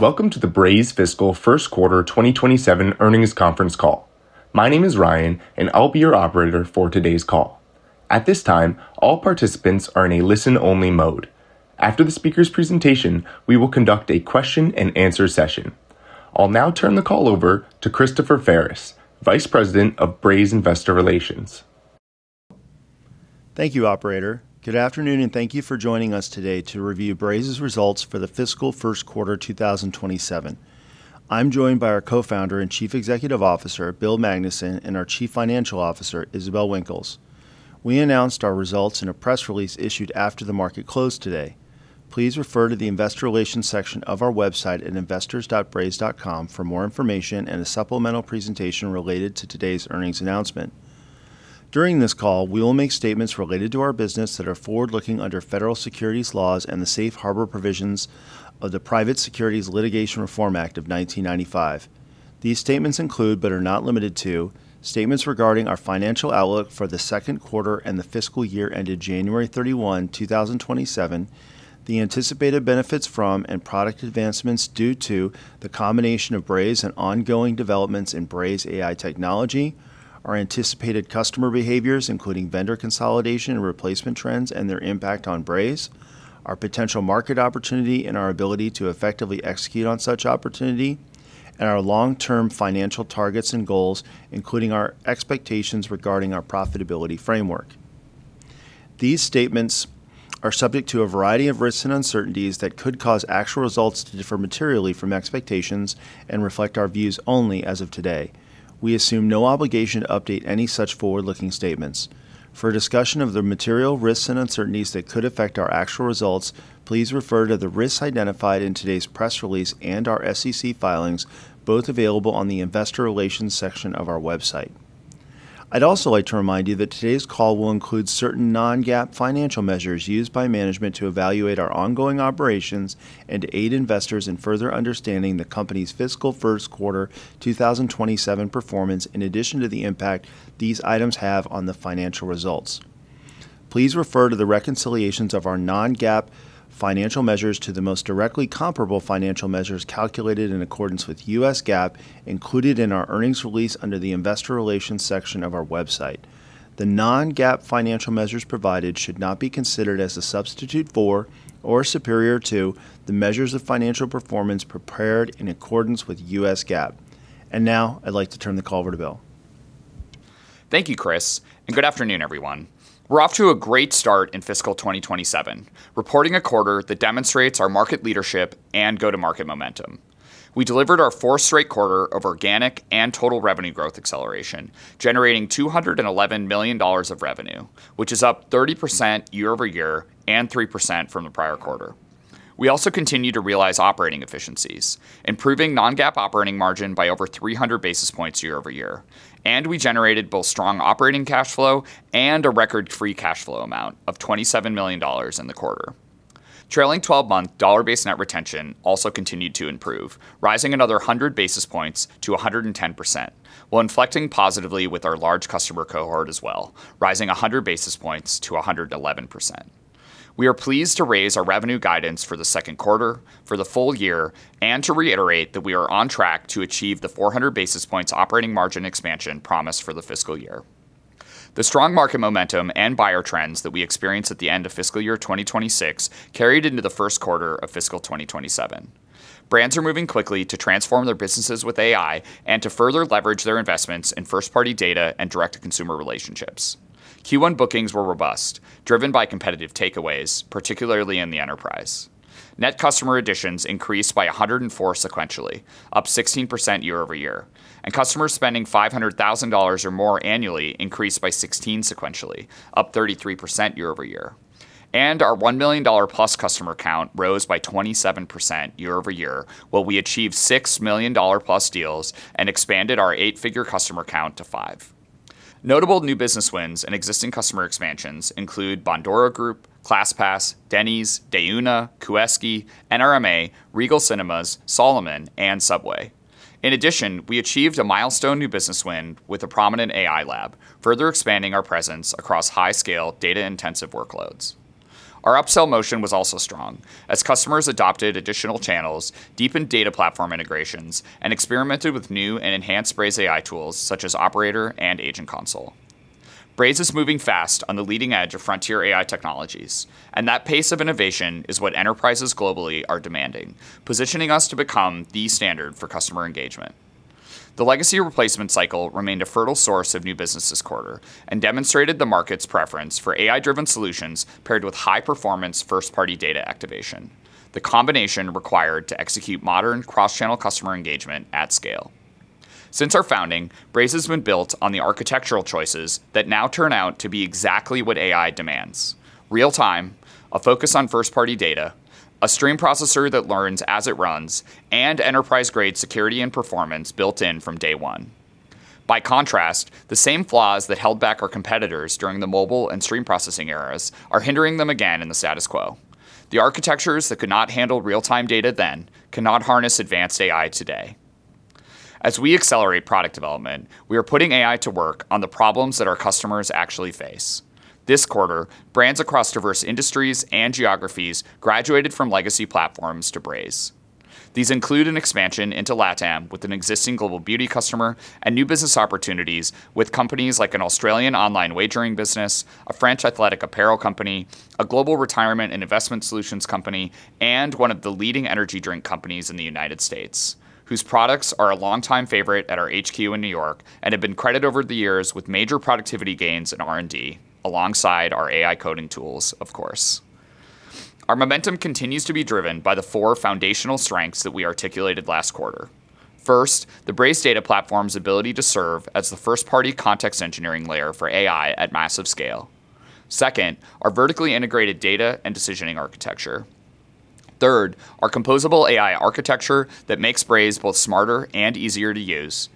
Welcome to the Braze fiscal first quarter 2027 earnings conference call. My name is Ryan, and I'll be your operator for today's call. At this time, all participants are in a listen-only mode. After the speaker's presentation, we will conduct a question and answer session. I'll now turn the call over to Christopher Ferris, Vice President of Braze Investor Relations. Thank you, operator. Good afternoon, and thank you for joining us today to review Braze's results for the fiscal first quarter 2027. I'm joined by our Co-founder and Chief Executive Officer, Bill Magnuson, and our Chief Financial Officer, Isabelle Winkles. We announced our results in a press release issued after the market closed today. Please refer to the investor relations section of our website at investors.braze.com for more information and a supplemental presentation related to today's earnings announcement. During this call, we will make statements related to our business that are forward-looking under federal securities laws and the safe harbor provisions of the Private Securities Litigation Reform Act of 1995. These statements include, but are not limited to, statements regarding our financial outlook for the second quarter and the fiscal year ended January 31, 2027, the anticipated benefits from and product advancements due to the combination of Braze and ongoing developments in Braze AI technology, our anticipated customer behaviors, including vendor consolidation and replacement trends and their impact on Braze, our potential market opportunity, and our ability to effectively execute on such opportunity, and our long-term financial targets and goals, including our expectations regarding our profitability framework. These statements are subject to a variety of risks and uncertainties that could cause actual results to differ materially from expectations and reflect our views only as of today. We assume no obligation to update any such forward-looking statements. For a discussion of the material risks and uncertainties that could affect our actual results, please refer to the risks identified in today's press release and our SEC filings, both available on the investor relations section of our website. I'd also like to remind you that today's call will include certain non-GAAP financial measures used by management to evaluate our ongoing operations and to aid investors in further understanding the company's fiscal first quarter 2027 performance in addition to the impact these items have on the financial results. Please refer to the reconciliations of our non-GAAP financial measures to the most directly comparable financial measures calculated in accordance with U.S. GAAP included in our earnings release under the investor relations section of our website. The non-GAAP financial measures provided should not be considered as a substitute for or superior to the measures of financial performance prepared in accordance with U.S. GAAP. Now I'd like to turn the call over to Bill. Thank you, Christopher Ferris. Good afternoon, everyone. We're off to a great start in fiscal 2027, reporting a quarter that demonstrates our market leadership and go-to-market momentum. We delivered our fourth straight quarter of organic and total revenue growth acceleration, generating $211 million of revenue, which is up 30% year-over-year and 3% from the prior quarter. We also continue to realize operating efficiencies, improving non-GAAP operating margin by over 300 basis points year-over-year. We generated both strong operating cash flow and a record free cash flow amount of $27 million in the quarter. Trailing 12-month dollar-based net retention also continued to improve, rising another 100 basis points to 110%, while inflecting positively with our large customer cohort as well, rising 100 basis points to 111%. We are pleased to raise our revenue guidance for the second quarter, for the full year, and to reiterate that we are on track to achieve the 400 basis points operating margin expansion promised for the fiscal year. The strong market momentum and buyer trends that we experienced at the end of fiscal year 2026 carried into the first quarter of fiscal 2027. Brands are moving quickly to transform their businesses with AI and to further leverage their investments in first-party data and direct-to-consumer relationships. Q1 bookings were robust, driven by competitive takeaways, particularly in the enterprise. Net customer additions increased by 104 sequentially, up 16% year-over-year. Customer spending $500,000 or more annually increased by 16 sequentially, up 33% year-over-year. Our $1 million-plus customer count rose by 27% year over year, while we achieved 6 $1 million-plus deals and expanded our eight-figure customer count to 5. Notable new business wins and existing customer expansions include Bondora Group, ClassPass, Denny's, Deuna, Kueski, NRMA, Regal Cinemas, Salomon, and Subway. In addition, we achieved a milestone new business win with a prominent AI lab, further expanding our presence across high-scale, data-intensive workloads. Our upsell motion was also strong as customers adopted additional channels, deepened data platform integrations, and experimented with new and enhanced BrazeAI tools such as Operator and Agent Console. Braze is moving fast on the leading edge of frontier AI technologies, and that pace of innovation is what enterprises globally are demanding, positioning us to become the standard for customer engagement. The legacy replacement cycle remained a fertile source of new business this quarter and demonstrated the market's preference for AI-driven solutions paired with high-performance first-party data activation, the combination required to execute modern cross-channel customer engagement at scale. Since our founding, Braze has been built on the architectural choices that now turn out to be exactly what AI demands: real-time, a focus on first-party data, a stream processor that learns as it runs, and enterprise-grade security and performance built in from day one. By contrast, the same flaws that held back our competitors during the mobile and stream processing eras are hindering them again in the status quo. The architectures that could not handle real-time data then cannot harness advanced AI today. As we accelerate product development, we are putting AI to work on the problems that our customers actually face. This quarter, brands across diverse industries and geographies graduated from legacy platforms to Braze. These include an expansion into LATAM with an existing global beauty customer and new business opportunities with companies like an Australian online wagering business, a French athletic apparel company, a global retirement and investment solutions company, and one of the leading energy drink companies in the United States, whose products are a longtime favorite at our HQ in New York and have been credited over the years with major productivity gains in R&D, alongside our AI coding tools, of course. Our momentum continues to be driven by the four foundational strengths that we articulated last quarter. First, the Braze Data Platform's ability to serve as the first-party context engineering layer for AI at massive scale. Second, our vertically integrated data and decisioning architecture. Third, our composable AI architecture that makes Braze both smarter and easier to use.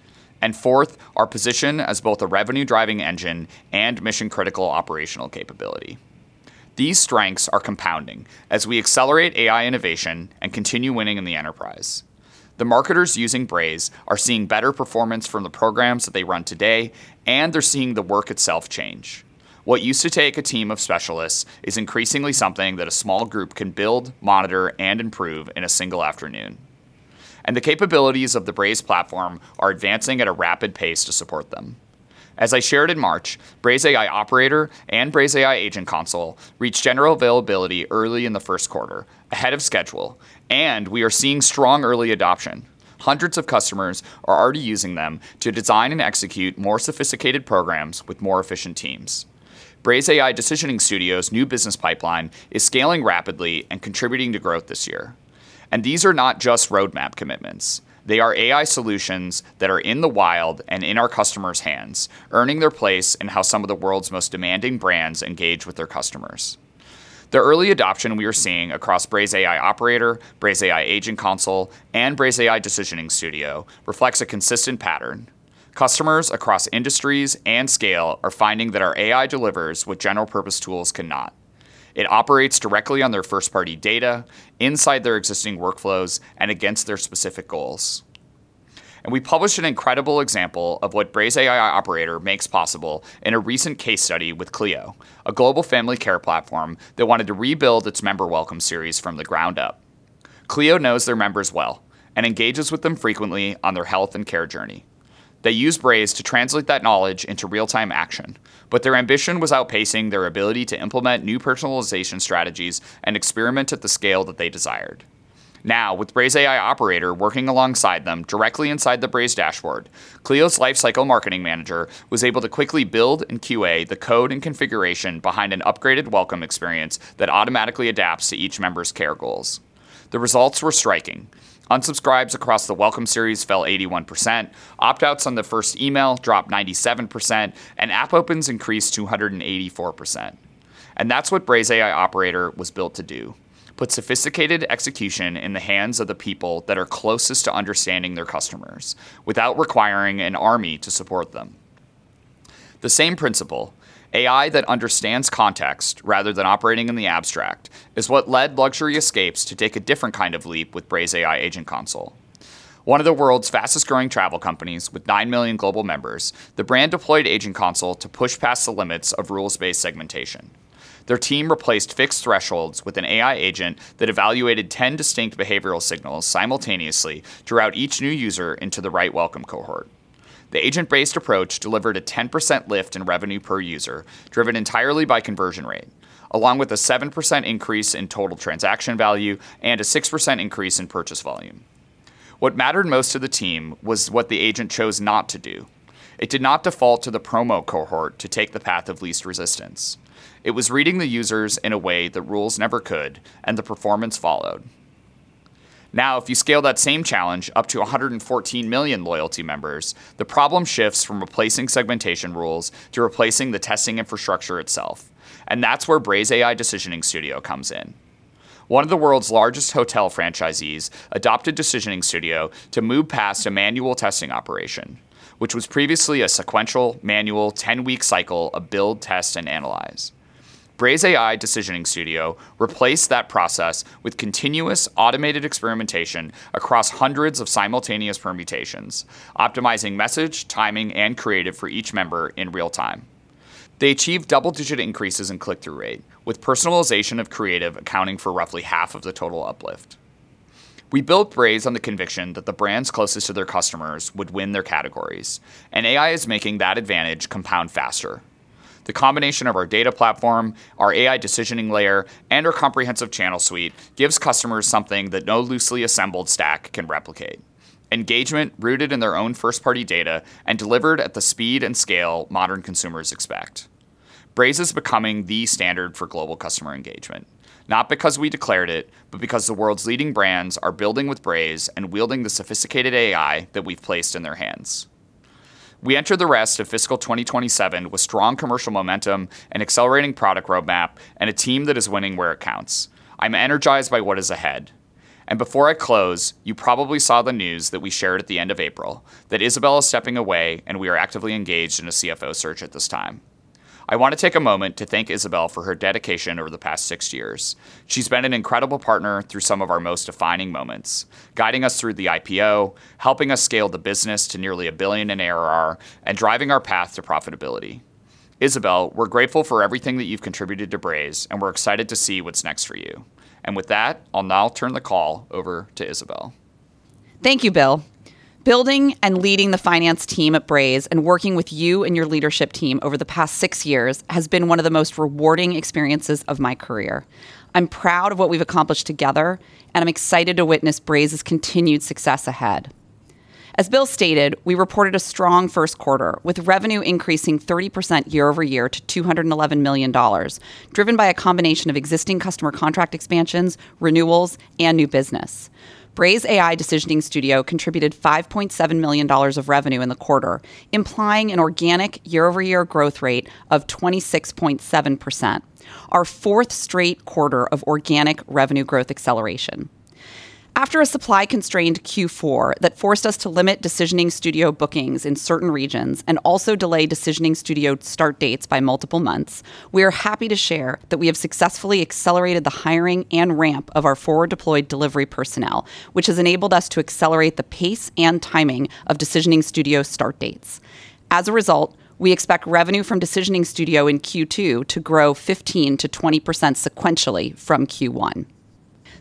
Fourth, our position as both a revenue-driving engine and mission-critical operational capability. These strengths are compounding as we accelerate AI innovation and continue winning in the enterprise. The marketers using Braze are seeing better performance from the programs that they run today, and they're seeing the work itself change. What used to take a team of specialists is increasingly something that a small group can build, monitor, and improve in a single afternoon. The capabilities of the Braze platform are advancing at a rapid pace to support them. As I shared in March, BrazeAI Operator and BrazeAI Agent Console reached general availability early in the first quarter, ahead of schedule, and we are seeing strong early adoption. Hundreds of customers are already using them to design and execute more sophisticated programs with more efficient teams. BrazeAI Decisioning Studio's new business pipeline is scaling rapidly and contributing to growth this year. These are not just roadmap commitments. They are AI solutions that are in the wild and in our customers' hands, earning their place in how some of the world's most demanding brands engage with their customers. The early adoption we are seeing across BrazeAI Operator, BrazeAI Agent Console, and BrazeAI Decisioning Studio reflects a consistent pattern. Customers across industries and scale are finding that our AI delivers what general purpose tools cannot. It operates directly on their first-party data, inside their existing workflows, and against their specific goals. We published an incredible example of what BrazeAI Operator makes possible in a recent case study with Cleo, a global family care platform that wanted to rebuild its member welcome series from the ground up. Cleo knows their members well and engages with them frequently on their health and care journey. They use Braze to translate that knowledge into real-time action, but their ambition was outpacing their ability to implement new personalization strategies and experiment at the scale that they desired. Now, with BrazeAI Operator working alongside them directly inside the Braze dashboard, Cleo's lifecycle marketing manager was able to quickly build and QA the code and configuration behind an upgraded welcome experience that automatically adapts to each member's care goals. The results were striking. Unsubscribes across the welcome series fell 81%, opt-outs on the first email dropped 97%, and app opens increased 284%. That's what BrazeAI Operator was built to do, put sophisticated execution in the hands of the people that are closest to understanding their customers without requiring an army to support them. The same principle, AI that understands context rather than operating in the abstract, is what led Luxury Escapes to take a different kind of leap with BrazeAI Agent Console. One of the world's fastest-growing travel companies with 9 million global members, the brand deployed Agent Console to push past the limits of rules-based segmentation. Their team replaced fixed thresholds with an AI agent that evaluated 10 distinct behavioral signals simultaneously to route each new user into the right welcome cohort. The agent-based approach delivered a 10% lift in revenue per user, driven entirely by conversion rate, along with a 7% increase in total transaction value and a 6% increase in purchase volume. What mattered most to the team was what the agent chose not to do. It did not default to the promo cohort to take the path of least resistance. It was reading the users in a way that rules never could, and the performance followed. Now, if you scale that same challenge up to 114 million loyalty members, the problem shifts from replacing segmentation rules to replacing the testing infrastructure itself. That's where BrazeAI Decisioning Studio comes in. One of the world's largest hotel franchisees adopted Decisioning Studio to move past a manual testing operation, which was previously a sequential, manual, 10-week cycle of build, test, and analyze. BrazeAI Decisioning Studio replaced that process with continuous automated experimentation across hundreds of simultaneous permutations, optimizing message, timing, and creative for each member in real time. They achieved double-digit increases in click-through rate, with personalization of creative accounting for roughly half of the total uplift. We built Braze on the conviction that the brands closest to their customers would win their categories, and AI is making that advantage compound faster. The combination of our Braze Data Platform, our AI decisioning layer, and our comprehensive channel suite gives customers something that no loosely assembled stack can replicate, engagement rooted in their own first-party data and delivered at the speed and scale modern consumers expect. Braze is becoming the standard for global customer engagement, not because we declared it, but because the world's leading brands are building with Braze and wielding the sophisticated AI that we've placed in their hands. We enter the rest of fiscal 2027 with strong commercial momentum, an accelerating product roadmap, and a team that is winning where it counts. I'm energized by what is ahead. Before I close, you probably saw the news that we shared at the end of April that Isabelle is stepping away and we are actively engaged in a CFO search at this time. I want to take a moment to thank Isabelle for her dedication over the past six years. She's been an incredible partner through some of our most defining moments, guiding us through the IPO, helping us scale the business to nearly $1 billion in ARR, and driving our path to profitability. Isabelle, we're grateful for everything that you've contributed to Braze, and we're excited to see what's next for you. With that, I'll now turn the call over to Isabelle. Thank you, Bill. Building and leading the finance team at Braze and working with you and your leadership team over the past six years has been one of the most rewarding experiences of my career. I'm proud of what we've accomplished together, and I'm excited to witness Braze's continued success ahead. As Bill stated, we reported a strong first quarter, with revenue increasing 30% year-over-year to $211 million, driven by a combination of existing customer contract expansions, renewals, and new business. BrazeAI Decisioning Studio contributed $5.7 million of revenue in the quarter, implying an organic year-over-year growth rate of 26.7%, our fourth straight quarter of organic revenue growth acceleration. After a supply-constrained Q4 that forced us to limit Decisioning Studio bookings in certain regions and also delayed Decisioning Studio start dates by multiple months, we are happy to share that we have successfully accelerated the hiring and ramp of our forward-deployed delivery personnel, which has enabled us to accelerate the pace and timing of Decisioning Studio start dates. As a result, we expect revenue from Decisioning Studio in Q2 to grow 15%-20% sequentially from Q1.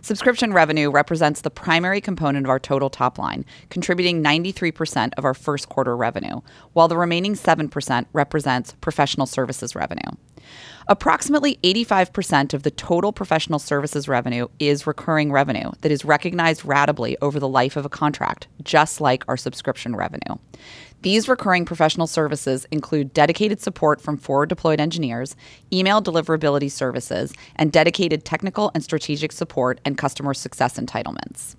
Subscription revenue represents the primary component of our total top line, contributing 93% of our first quarter revenue, while the remaining 7% represents professional services revenue. Approximately 85% of the total professional services revenue is recurring revenue that is recognized ratably over the life of a contract, just like our subscription revenue. These recurring professional services include dedicated support from forward-deployed engineers, email deliverability services, and dedicated technical and strategic support and customer success entitlements.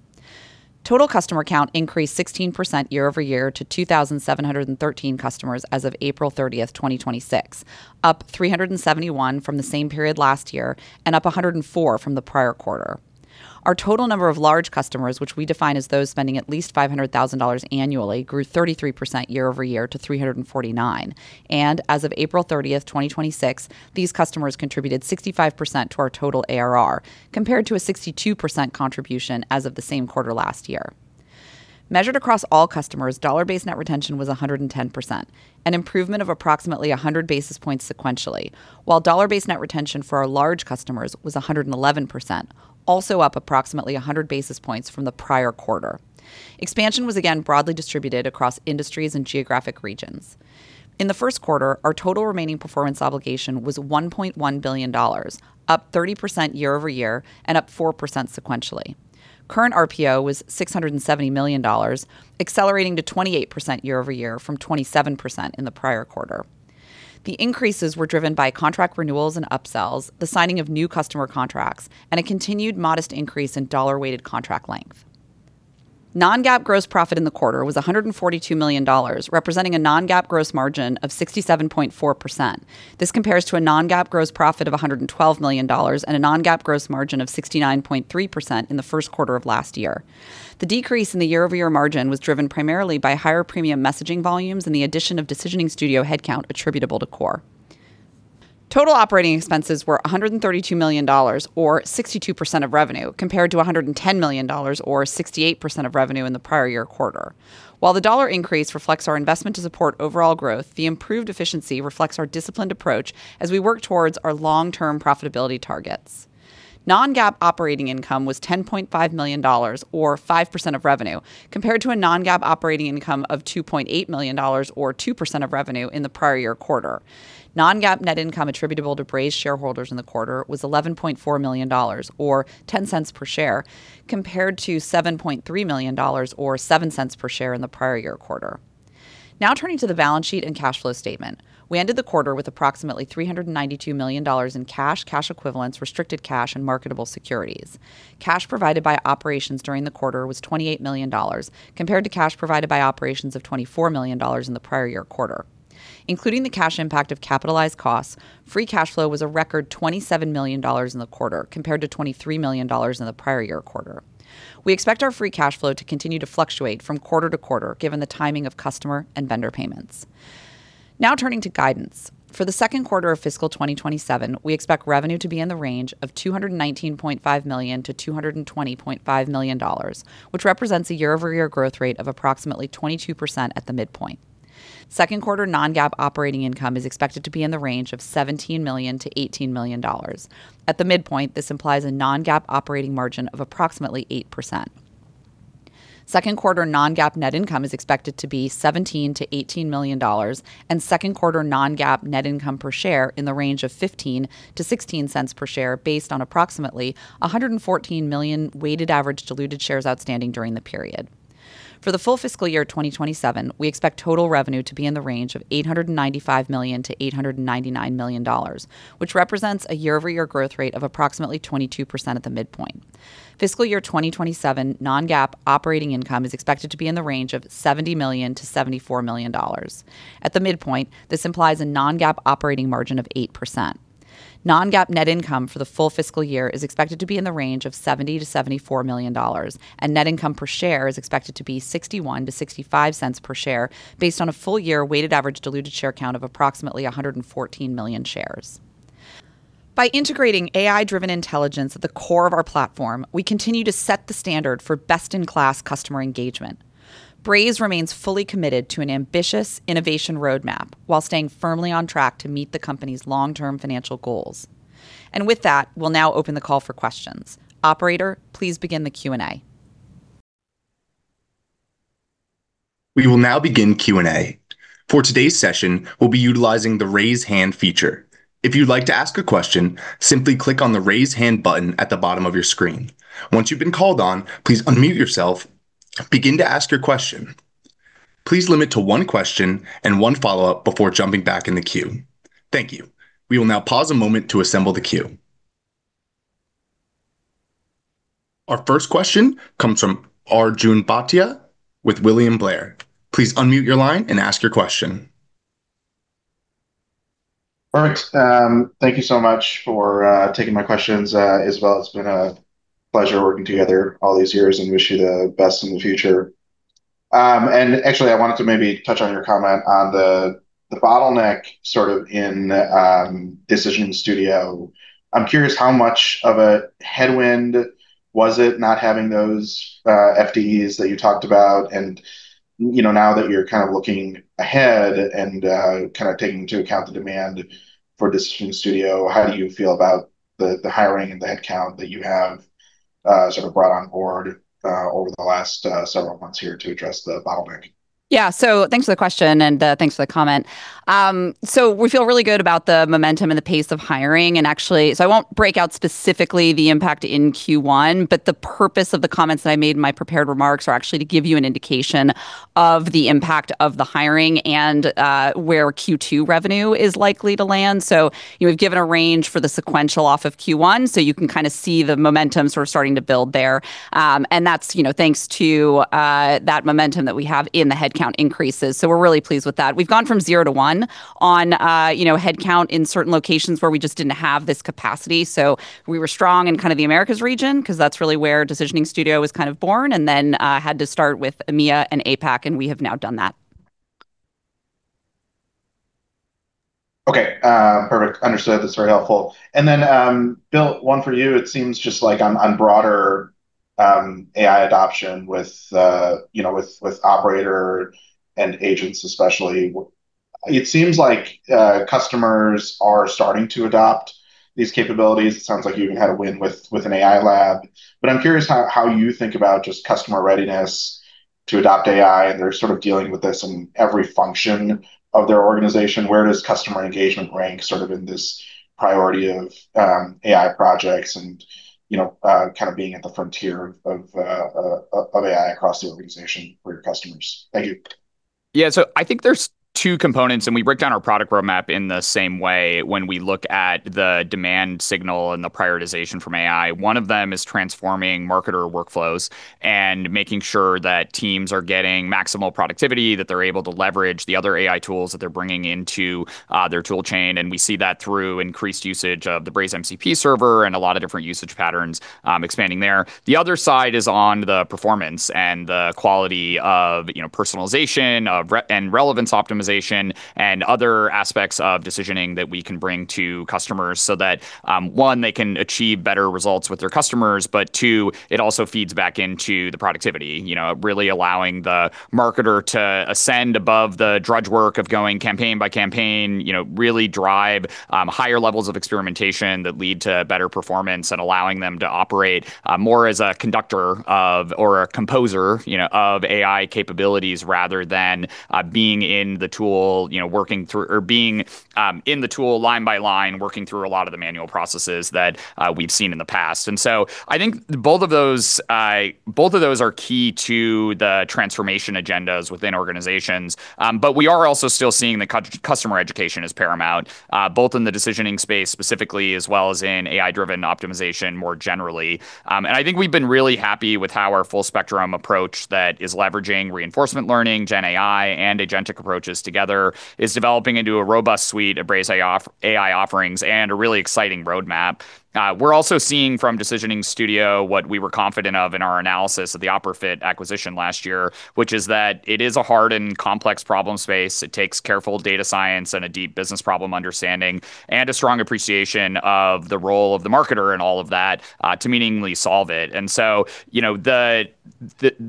Total customer count increased 16% year-over-year to 2,713 customers as of April 30th, 2026, up 371 from the same period last year and up 104 from the prior quarter. Our total number of large customers, which we define as those spending at least $500,000 annually, grew 33% year-over-year to 349. As of April 30th, 2026, these customers contributed 65% to our total ARR, compared to a 62% contribution as of the same quarter last year. Measured across all customers, dollar-based net retention was 110%, an improvement of approximately 100 basis points sequentially, while dollar-based net retention for our large customers was 111%, also up approximately 100 basis points from the prior quarter. Expansion was again broadly distributed across industries and geographic regions. In the first quarter, our total remaining performance obligation was $1.1 billion, up 30% year-over-year and up 4% sequentially. Current RPO was $670 million, accelerating to 28% year-over-year from 27% in the prior quarter. The increases were driven by contract renewals and upsells, the signing of new customer contracts, and a continued modest increase in dollar-weighted contract length. Non-GAAP gross profit in the quarter was $142 million, representing a non-GAAP gross margin of 67.4%. This compares to a non-GAAP gross profit of $112 million and a non-GAAP gross margin of 69.3% in the first quarter of last year. The decrease in the year-over-year margin was driven primarily by higher premium messaging volumes and the addition of BrazeAI Decisioning Studio headcount attributable to core. Total operating expenses were $132 million, or 62% of revenue, compared to $110 million, or 68% of revenue in the prior year quarter. While the dollar increase reflects our investment to support overall growth, the improved efficiency reflects our disciplined approach as we work towards our long-term profitability targets. Non-GAAP operating income was $10.5 million, or 5% of revenue, compared to a non-GAAP operating income of $2.8 million, or 2% of revenue, in the prior year quarter. Non-GAAP net income attributable to Braze shareholders in the quarter was $11.4 million, or $0.10 per share, compared to $7.3 million, or $0.07 per share, in the prior year quarter. Turning to the balance sheet and cash flow statement. We ended the quarter with approximately $392 million in cash equivalents, restricted cash, and marketable securities. Cash provided by operations during the quarter was $28 million, compared to cash provided by operations of $24 million in the prior year quarter. Including the cash impact of capitalized costs, free cash flow was a record $27 million in the quarter, compared to $23 million in the prior year quarter. We expect our free cash flow to continue to fluctuate from quarter to quarter, given the timing of customer and vendor payments. Now turning to guidance. For the second quarter of fiscal 2027, we expect revenue to be in the range of $219.5 million-$220.5 million, which represents a year-over-year growth rate of approximately 22% at the midpoint. Second quarter non-GAAP operating income is expected to be in the range of $17 million-$18 million. At the midpoint, this implies a non-GAAP operating margin of approximately 8%. Second quarter non-GAAP net income is expected to be $17 million-$18 million, and second quarter non-GAAP net income per share in the range of $0.15-$0.16 per share based on approximately 114 million weighted average diluted shares outstanding during the period. For the full fiscal year 2027, we expect total revenue to be in the range of $895 million-$899 million, which represents a year-over-year growth rate of approximately 22% at the midpoint. Fiscal year 2027 non-GAAP operating income is expected to be in the range of $70 million-$74 million. At the midpoint, this implies a non-GAAP operating margin of 8%. Non-GAAP net income for the full fiscal year is expected to be in the range of $70 to $74 million, and net income per share is expected to be $0.61 to $0.65 per share based on a full-year weighted average diluted share count of approximately 114 million shares. By integrating AI-driven intelligence at the core of our platform, we continue to set the standard for best-in-class customer engagement. Braze remains fully committed to an ambitious innovation roadmap while staying firmly on track to meet the company's long-term financial goals. With that, we'll now open the call for questions. Operator, please begin the Q&A. We will now begin Q&A. For today's session, we'll be utilizing the raise hand feature. If you'd like to ask a question, simply click on the raise hand button at the bottom of your screen. Once you've been called on, please unmute yourself. Begin to ask your question. Please limit to one question and one follow-up before jumping back in the queue. Thank you. We will now pause a moment to assemble the queue. Our first question comes from Arjun Bhatia with William Blair. Please unmute your line and ask your question. All right. Thank you so much for taking my questions, Isabelle. It's been a pleasure working together all these years, and wish you the best in the future. Actually, I wanted to maybe touch on your comment on the bottleneck sort of in Decisioning Studio. I'm curious how much of a headwind was it not having those FDEs that you talked about. Now that you're kind of looking ahead and taking into account the demand for Decisioning Studio, how do you feel about the hiring and the headcount that you have brought on board over the last several months here to address the bottleneck? Yeah. Thanks for the question and thanks for the comment. We feel really good about the momentum and the pace of hiring. Actually, I won't break out specifically the impact in Q1, but the purpose of the comments that I made in my prepared remarks are actually to give you an indication of the impact of the hiring and where Q2 revenue is likely to land. We've given a range for the sequential off of Q1, so you can kind of see the momentum sort of starting to build there. That's thanks to that momentum that we have in the headcount increases. We're really pleased with that. We've gone from zero to one on headcount in certain locations where we just didn't have this capacity. We were strong in the Americas region because that's really where Decisioning Studio was kind of born, and then had to start with EMEA and APAC, and we have now done that. Okay. Perfect. Understood. That's very helpful. Bill, one for you. It seems just like on broader AI adoption with Operator and agents especially, it seems like customers are starting to adopt these capabilities. It sounds like you even had a win with an AI lab. I'm curious how you think about just customer readiness to adopt AI, and they're sort of dealing with this in every function of their organization. Where does customer engagement rank sort of in this priority of AI projects and kind of being at the frontier of AI across the organization for your customers? Thank you. Yeah. I think there's two components, and we break down our product roadmap in the same way when we look at the demand signal and the prioritization from AI. One of them is transforming marketer workflows and making sure that teams are getting maximal productivity, that they're able to leverage the other AI tools that they're bringing into their tool chain, and we see that through increased usage of the Braze MCP server and a lot of different usage patterns expanding there. The other side is on the performance and the quality of personalization and relevance optimization and other aspects of decisioning that we can bring to customers so that, one, they can achieve better results with their customers, but two, it also feeds back into the productivity, really allowing the marketer to ascend above the drudge work of going campaign by campaign, really drive higher levels of experimentation that lead to better performance and allowing them to operate more as a conductor or a composer of AI capabilities rather than being in the tool line by line, working through a lot of the manual processes that we've seen in the past. I think both of those are key to the transformation agendas within organizations. We are also still seeing that customer education is paramount, both in the decisioning space specifically as well as in AI-driven optimization more generally. I think we've been really happy with how our full-spectrum approach that is leveraging reinforcement learning, GenAI, and agentic approaches together is developing into a robust suite of BrazeAI offerings and a really exciting roadmap. We're also seeing from Decisioning Studio what we were confident of in our analysis of the OfferFit acquisition last year, which is that it is a hard and complex problem space. It takes careful data science and a deep business problem understanding and a strong appreciation of the role of the marketer in all of that to meaningfully solve it.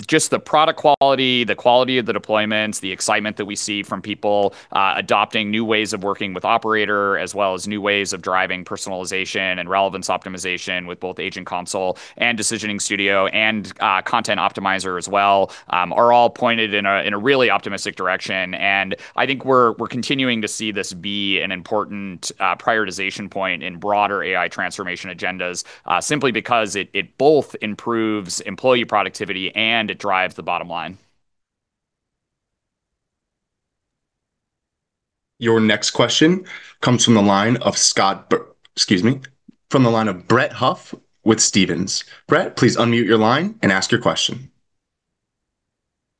Just the product quality, the quality of the deployments, the excitement that we see from people adopting new ways of working with BrazeAI Operator, as well as new ways of driving personalization and relevance optimization with both BrazeAI Agent Console and BrazeAI Decisioning Studio and Content Optimizer as well are all pointed in a really optimistic direction, and I think we're continuing to see this be an important prioritization point in broader AI transformation agendas simply because it both improves employee productivity and it drives the bottom line. Your next question comes from the line of Brett Huff with Stephens. Brett, please unmute your line and ask your question.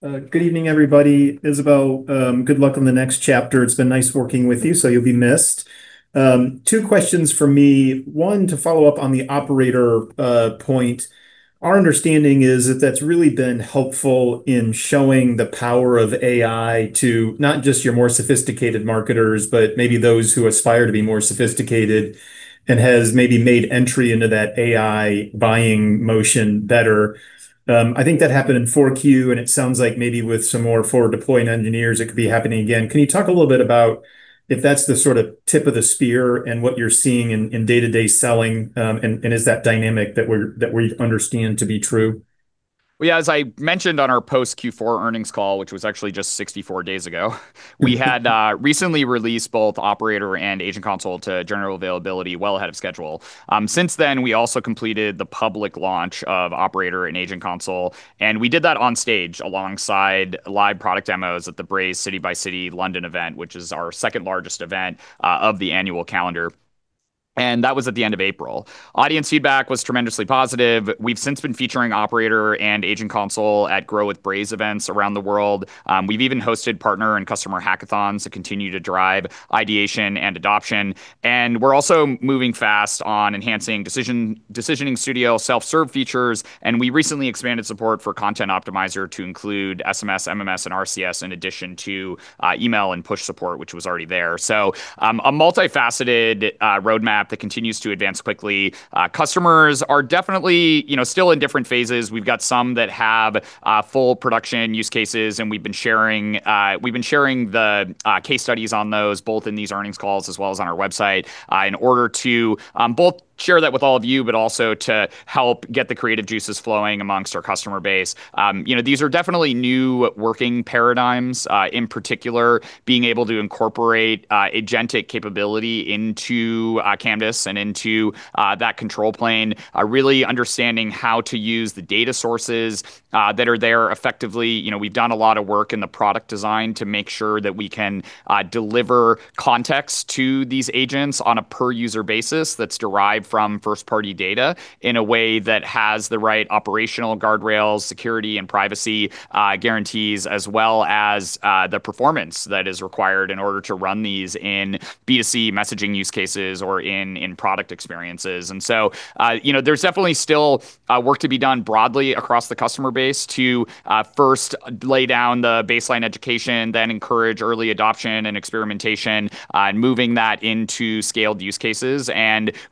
Good evening, everybody. Isabelle, good luck on the next chapter. It's been nice working with you, so you'll be missed. Two questions from me. One, to follow up on the Operator point. Our understanding is that that's really been helpful in showing the power of AI to not just your more sophisticated marketers, but maybe those who aspire to be more sophisticated and has maybe made entry into that AI buying motion better. I think that happened in 4Q, and it sounds like maybe with some more forward-deployed engineers, it could be happening again. Can you talk a little bit about if that's the sort of tip of the spear in what you're seeing in day-to-day selling, and is that dynamic that we understand to be true? Well, yeah. As I mentioned on our post Q4 earnings call, which was actually just 64 days ago, we had recently released both Operator and Agent Console to general availability well ahead of schedule. Since then, we also completed the public launch of Operator and Agent Console, and we did that on stage alongside live product demos at the Braze City x City London event, which is our second-largest event of the annual calendar, and that was at the end of April. Audience feedback was tremendously positive. We've since been featuring Operator and Agent Console at Grow with Braze events around the world. We've even hosted partner and customer hackathons that continue to drive ideation and adoption, and we're also moving fast on enhancing Decisioning Studio self-serve features. We recently expanded support for Content Optimizer to include SMS, MMS, and RCS in addition to email and push support, which was already there. A multifaceted roadmap that continues to advance quickly. Customers are definitely still in different phases. We've got some that have full production use cases, and we've been sharing the case studies on those, both in these earnings calls as well as on our website, in order to both share that with all of you, but also to help get the creative juices flowing amongst our customer base. These are definitely new working paradigms. In particular, being able to incorporate agentic capability into Canvas and into that control plane, really understanding how to use the data sources that are there effectively. We've done a lot of work in the product design to make sure that we can deliver context to these agents on a per user basis that's derived from first party data in a way that has the right operational guardrails, security and privacy guarantees, as well as the performance that is required in order to run these in B2C messaging use cases or in product experiences. There's definitely still work to be done broadly across the customer base to first lay down the baseline education, then encourage early adoption and experimentation, and moving that into scaled use cases.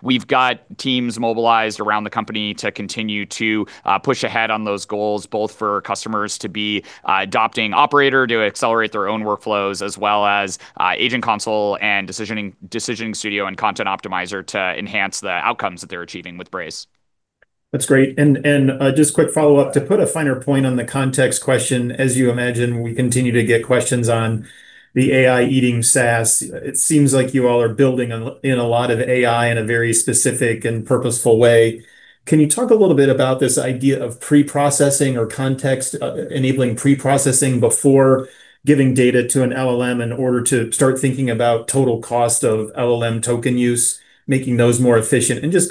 We've got teams mobilized around the company to continue to push ahead on those goals, both for customers to be adopting Operator to accelerate their own workflows, as well as Agent Console and Decisioning Studio and Content Optimizer to enhance the outcomes that they're achieving with Braze. That's great. Just quick follow-up, to put a finer point on the context question, as you imagine, we continue to get questions on the AI eating SaaS. It seems like you all are building in a lot of AI in a very specific and purposeful way. Can you talk a little bit about this idea of pre-processing or context enabling pre-processing before giving data to an LLM in order to start thinking about total cost of LLM token use, making those more efficient? Just,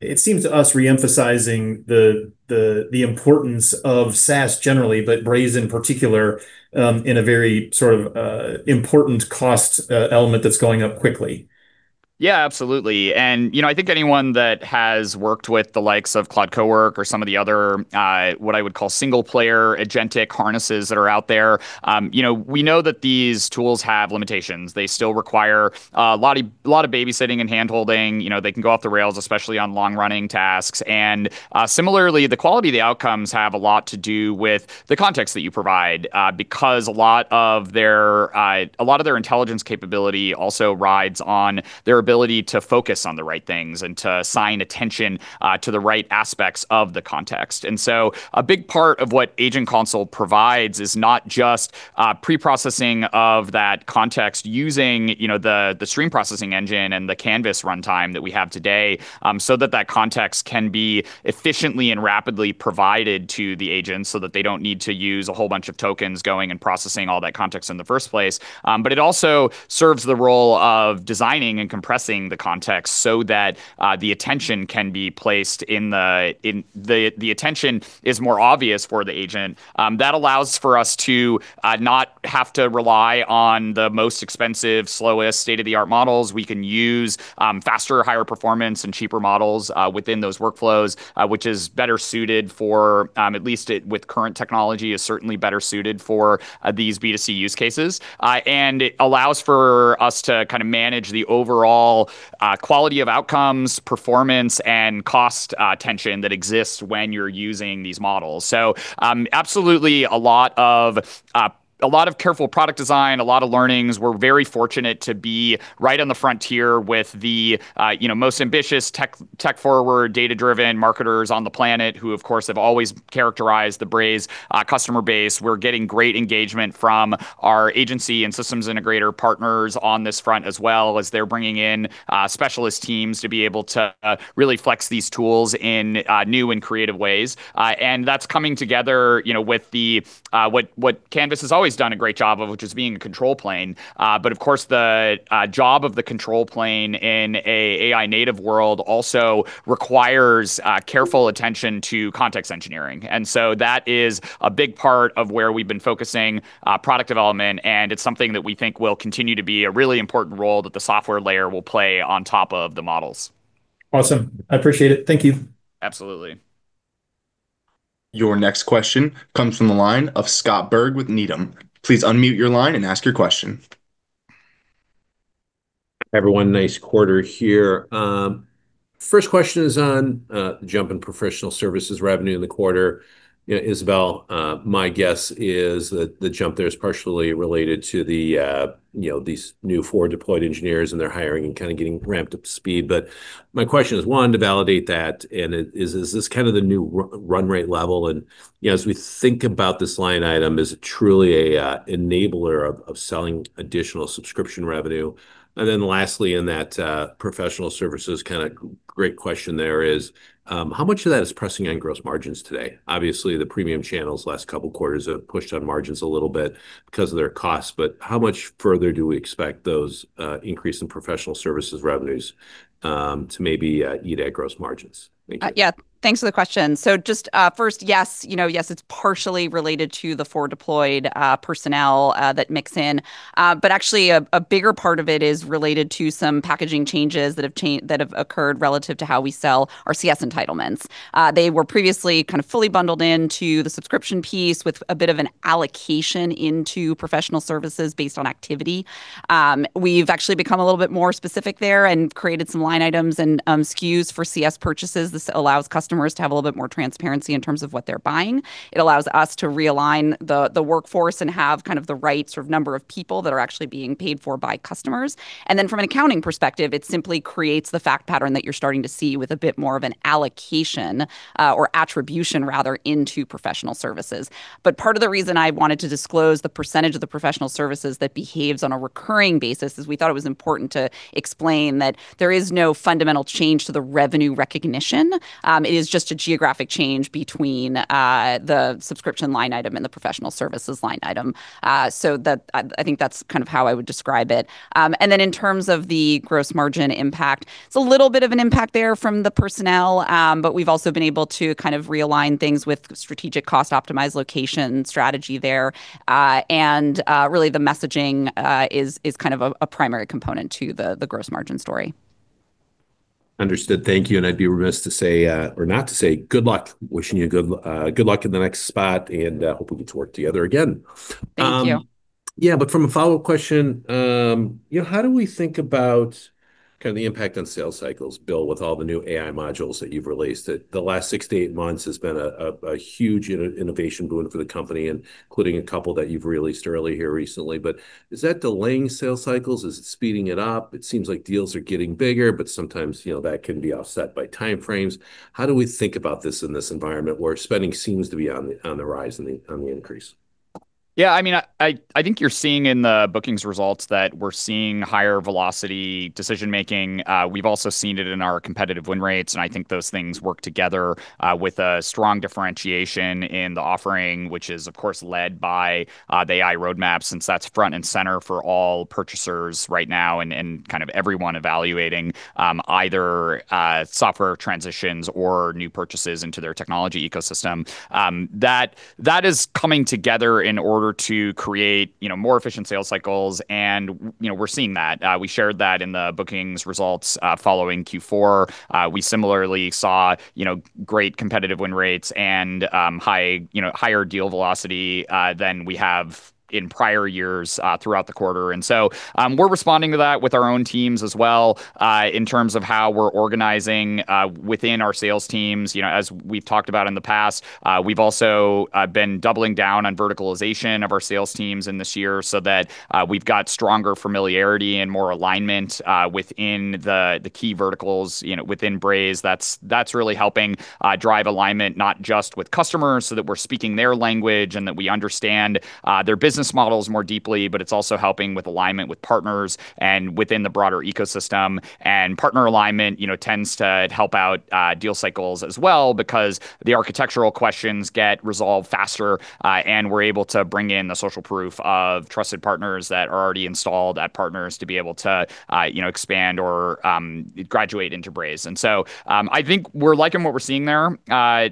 it seems to us, re-emphasizing the importance of SaaS generally, but Braze in particular, in a very sort of important cost element that's going up quickly. Absolutely. I think anyone that has worked with the likes of Cloud CoWork or some of the other, what I would call single player agentic harnesses that are out there. We know that these tools have limitations. They still require a lot of babysitting and handholding. They can go off the rails, especially on long running tasks. Similarly, the quality of the outcomes have a lot to do with the context that you provide, because a lot of their intelligence capability also rides on their ability to focus on the right things and to assign attention to the right aspects of the context. A big part of what Agent Console provides is not just pre-processing of that context using the stream processing engine and the Canvas runtime that we have today, so that that context can be efficiently and rapidly provided to the agents so that they don't need to use a whole bunch of tokens going and processing all that context in the first place. It also serves the role of designing and compressing the context so that the attention is more obvious for the agent. That allows for us to not have to rely on the most expensive, slowest state-of-the-art models. We can use faster, higher performance, and cheaper models within those workflows, which is better suited for, at least with current technology, is certainly better suited for these B2C use cases. It allows for us to manage the overall quality of outcomes, performance, and cost tension that exists when you're using these models. Absolutely a lot of careful product design, a lot of learnings. We're very fortunate to be right on the frontier with the most ambitious tech-forward, data-driven marketers on the planet, who of course have always characterized the Braze customer base. We're getting great engagement from our agency and systems integrator partners on this front as well as they're bringing in specialist teams to be able to really flex these tools in new and creative ways. That's coming together with what Canvas has always done a great job of, which is being a control plane. Of course, the job of the control plane in an AI-native world also requires careful attention to context engineering. That is a big part of where we've been focusing product development, and it's something that we think will continue to be a really important role that the software layer will play on top of the models. Awesome. I appreciate it. Thank you. Absolutely. Your next question comes from the line of Scott Berg with Needham. Please unmute your line and ask your question. Everyone, nice quarter here. First question is on the jump in professional services revenue in the quarter. Isabelle, my guess is that the jump there is partially related to these new forward-deployed engineers and their hiring and getting ramped up to speed. My question is, one, to validate that, and is this the new run rate level? As we think about this line item, is it truly an enabler of selling additional subscription revenue? Lastly, in that professional services great question there is, how much of that is pressing on gross margins today? Obviously, the premium channels the last couple of quarters have pushed on margins a little bit because of their costs, how much further do we expect those increase in professional services revenues to maybe eat at gross margins? Thank you. Yeah. Thanks for the question. Just first, yes, it's partially related to the forward-deployed personnel that mix in. Actually, a bigger part of it is related to some packaging changes that have occurred relative to how we sell our CS entitlements. They were previously fully bundled into the subscription piece with a bit of an allocation into professional services based on activity. We've actually become a little bit more specific there and created some line items and SKUs for CS purchases. This allows customers to have a little bit more transparency in terms of what they're buying. It allows us to realign the workforce and have the right number of people that are actually being paid for by customers. From an accounting perspective, it simply creates the fact pattern that you're starting to see with a bit more of an allocation or attribution, rather, into professional services. Part of the reason I wanted to disclose the percentage of the professional services that behaves on a recurring basis is we thought it was important to explain that there is no fundamental change to the revenue recognition. It is just a geographic change between the subscription line item and the professional services line item. I think that's how I would describe it. In terms of the gross margin impact, it's a little bit of an impact there from the personnel, but we've also been able to realign things with strategic cost optimized location strategy there. Really the messaging is a primary component to the gross margin story. Understood. Thank you. I'd be remiss not to say good luck. Wishing you good luck in the next spot, and hope we get to work together again. Thank you. From a follow-up question, how do we think about the impact on sales cycles, Bill, with all the new AI modules that you've released? The last 6-8 months has been a huge innovation boon for the company, including a couple that you've released early here recently. Is that delaying sales cycles? Is it speeding it up? It seems like deals are getting bigger, but sometimes, that can be offset by time frames. How do we think about this in this environment where spending seems to be on the rise and on the increase? I think you're seeing in the bookings results that we're seeing higher velocity decision making. We've also seen it in our competitive win rates, and I think those things work together with a strong differentiation in the offering, which is, of course, led by the AI roadmap, since that's front and center for all purchasers right now and everyone evaluating either software transitions or new purchases into their technology ecosystem. That is coming together in order to create more efficient sales cycles, and we're seeing that. We shared that in the bookings results following Q4. We similarly saw great competitive win rates and higher deal velocity than we have in prior years throughout the quarter. We're responding to that with our own teams as well in terms of how we're organizing within our sales teams. As we've talked about in the past, we've also been doubling down on verticalization of our sales teams in this year so that we've got stronger familiarity and more alignment within the key verticals within Braze. That's really helping drive alignment, not just with customers so that we're speaking their language and that we understand their business models more deeply, but it's also helping with alignment with partners and within the broader ecosystem. Partner alignment tends to help out deal cycles as well because the architectural questions get resolved faster, and we're able to bring in the social proof of trusted partners that are already installed at partners to be able to expand or graduate into Braze. I think we're liking what we're seeing there.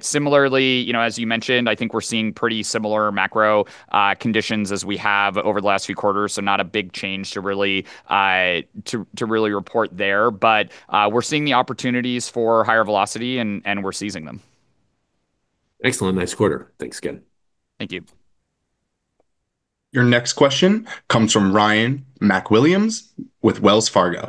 Similarly, as you mentioned, I think we're seeing pretty similar macro conditions as we have over the last few quarters. Not a big change to really report there. We're seeing the opportunities for higher velocity, and we're seizing them. Excellent. Nice quarter. Thanks again. Thank you. Your next question comes from Ryan MacWilliams with Wells Fargo.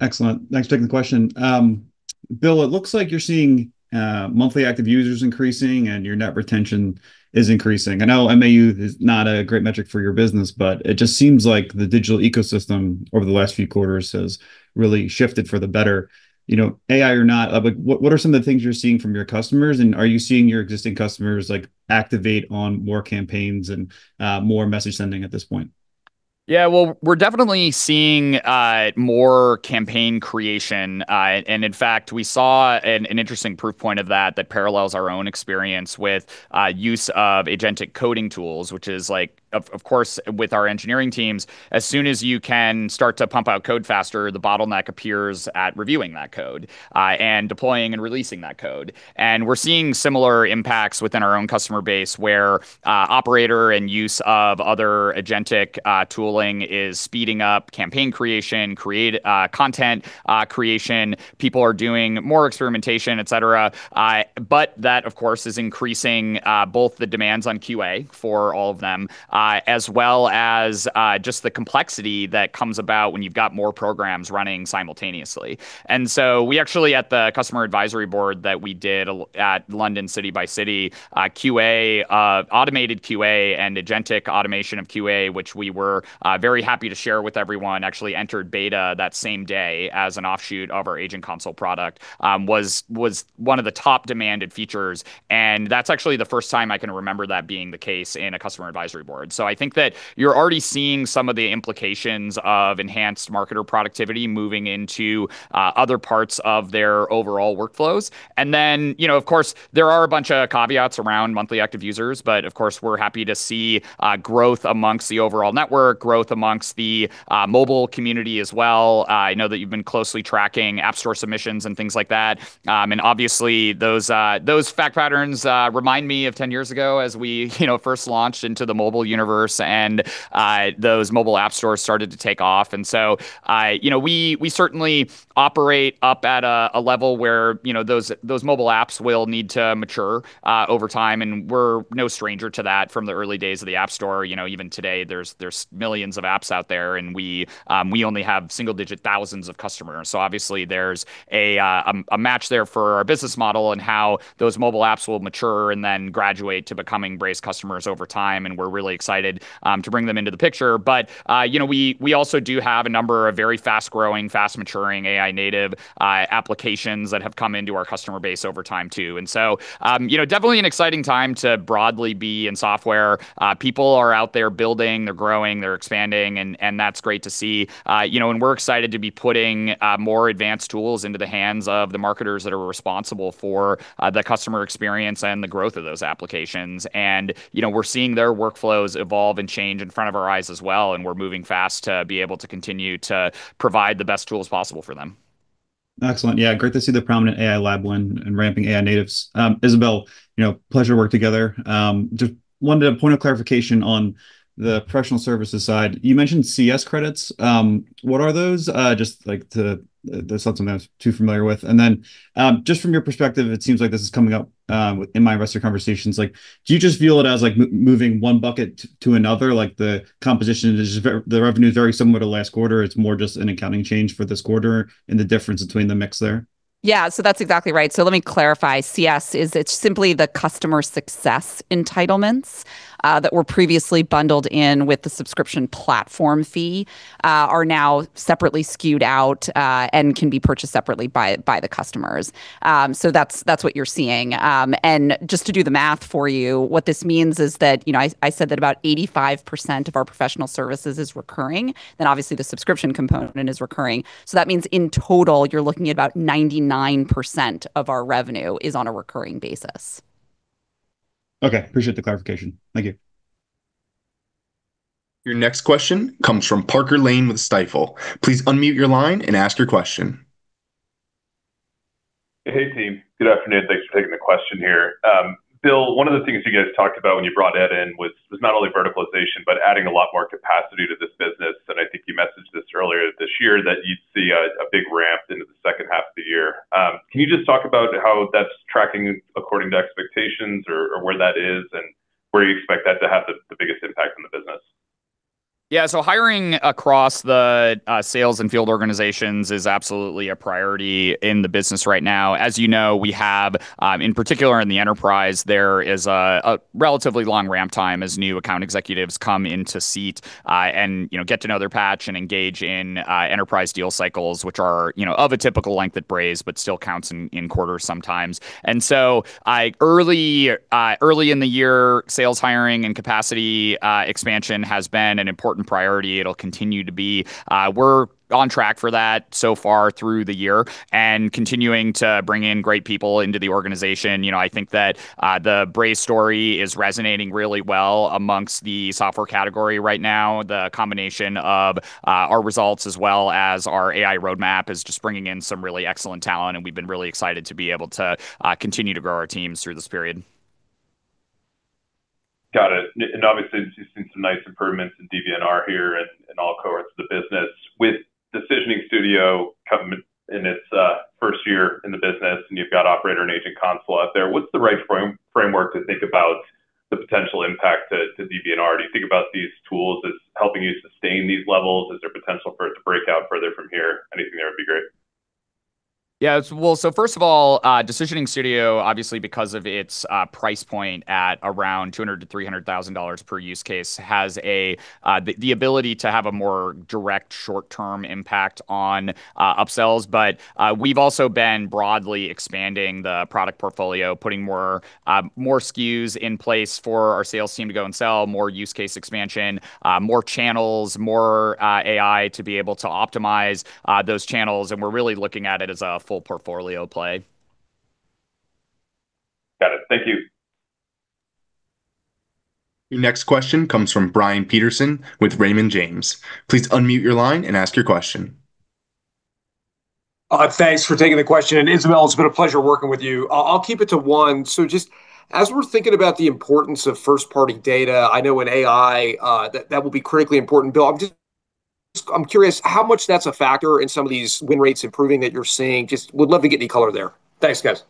Excellent. Thanks for taking the question. Bill, it looks like you're seeing monthly active users increasing and your net retention is increasing. I know MAU is not a great metric for your business, but it just seems like the digital ecosystem over the last few quarters has really shifted for the better. AI or not, what are some of the things you're seeing from your customers, and are you seeing your existing customers activate on more campaigns and more message sending at this point? Yeah, well, we're definitely seeing more campaign creation. In fact, we saw an interesting proof point of that that parallels our own experience with use of agentic coding tools, which is, of course, with our engineering teams, as soon as you can start to pump out code faster, the bottleneck appears at reviewing that code and deploying and releasing that code. We're seeing similar impacts within our own customer base, where BrazeAI Operator and use of other agentic tooling is speeding up campaign creation, content creation. People are doing more experimentation, et cetera. That, of course, is increasing both the demands on QA for all of them, as well as just the complexity that comes about when you've got more programs running simultaneously. We actually, at the customer advisory board that we did at Braze City x City, automated QA and agentic automation of QA, which we were very happy to share with everyone, actually entered beta that same day as an offshoot of our BrazeAI Agent Console product, was one of the top demanded features, and that's actually the first time I can remember that being the case in a customer advisory board. I think that you're already seeing some of the implications of enhanced marketer productivity moving into other parts of their overall workflows. Then, of course, there are a bunch of caveats around monthly active users, but of course, we're happy to see growth amongst the overall network, growth amongst the mobile community as well. I know that you've been closely tracking App Store submissions and things like that. Obviously, those fact patterns remind me of 10 years ago as we first launched into the mobile universe and those mobile app stores started to take off. We certainly operate up at a level where those mobile apps will need to mature over time, and we're no stranger to that from the early days of the App Store. Even today, there's millions of apps out there, and we only have single digit thousands of customers. Obviously, there's a match there for our business model and how those mobile apps will mature and then graduate to becoming Braze customers over time, and we're really excited to bring them into the picture. We also do have a number of very fast-growing, fast maturing AI native applications that have come into our customer base over time, too. Definitely an exciting time to broadly be in software. People are out there building, they're growing, they're expanding, and that's great to see. We're excited to be putting more advanced tools into the hands of the marketers that are responsible for the customer experience and the growth of those applications. We're seeing their workflows evolve and change in front of our eyes as well, and we're moving fast to be able to continue to provide the best tools possible for them. Excellent. Yeah. Great to see the prominent AI lab win and ramping AI natives. Isabelle, pleasure to work together. Just wanted a point of clarification on the professional services side. You mentioned CS credits. What are those? Just that's not something I was too familiar with. Just from your perspective, it seems like this is coming up in my investor conversations. Do you just view it as like moving one bucket to another, like the composition is just the revenue is very similar to last quarter, it's more just an accounting change for this quarter and the difference between the mix there? Yeah. That's exactly right. Let me clarify. CS is simply the customer success entitlements that were previously bundled in with the subscription platform fee, are now separately SKU'd out, and can be purchased separately by the customers. That's what you're seeing. Just to do the math for you, what this means is that, I said that about 85% of our professional services is recurring, obviously the subscription component is recurring. That means, in total, you're looking at about 99% of our revenue is on a recurring basis. Okay. Appreciate the clarification. Thank you. Your next question comes from Parker Lane with Stifel. Please unmute your line and ask your question. Hey, team. Good afternoon. Thanks for taking the question here. Bill, one of the things you guys talked about when you brought Ed in was not only verticalization, but adding a lot more capacity to this business. I think you messaged this earlier this year that you'd see a big ramp into the second half of the year. Can you just talk about how that's tracking according to expectations or where that is and where you expect that to have the biggest impact on the business? Hiring across the sales and field organizations is absolutely a priority in the business right now. As you know, we have, in particular in the enterprise, there is a relatively long ramp time as new account executives come into seat and get to know their patch and engage in enterprise deal cycles, which are of a typical length at Braze, but still counts in quarters sometimes. Early in the year, sales hiring and capacity expansion has been an important priority. It'll continue to be. We're on track for that so far through the year and continuing to bring in great people into the organization. I think that the Braze story is resonating really well amongst the software category right now. The combination of our results as well as our AI roadmap is just bringing in some really excellent talent. We've been really excited to be able to continue to grow our teams through this period. Got it. Obviously just seeing some nice improvements in DBNR here and all cohorts of the business. With Decisioning Studio coming in its first year in the business, you've got Operator and Agent Console out there, what's the right framework to think about the potential impact to DBNR? Do you think about these tools as helping you sustain these levels? Is there potential for it to break out further from here? Anything there would be great. Yeah. Well, first of all, Decisioning Studio, obviously because of its price point at around $200,000-$300,000 per use case, has the ability to have a more direct short-term impact on upsells. We've also been broadly expanding the product portfolio, putting more SKUs in place for our sales team to go and sell, more use case expansion, more channels, more AI to be able to optimize those channels, and we're really looking at it as a full portfolio play. Thank you. Your next question comes from Brian Peterson with Raymond James. Thanks for taking the question. Isabelle, it's been a pleasure working with you. I'll keep it to one. Just as we're thinking about the importance of first-party data, I know in AI that will be critically important, Bill. I'm curious how much that's a factor in some of these win rates improving that you're seeing. Just would love to get any color there. Thanks, guys.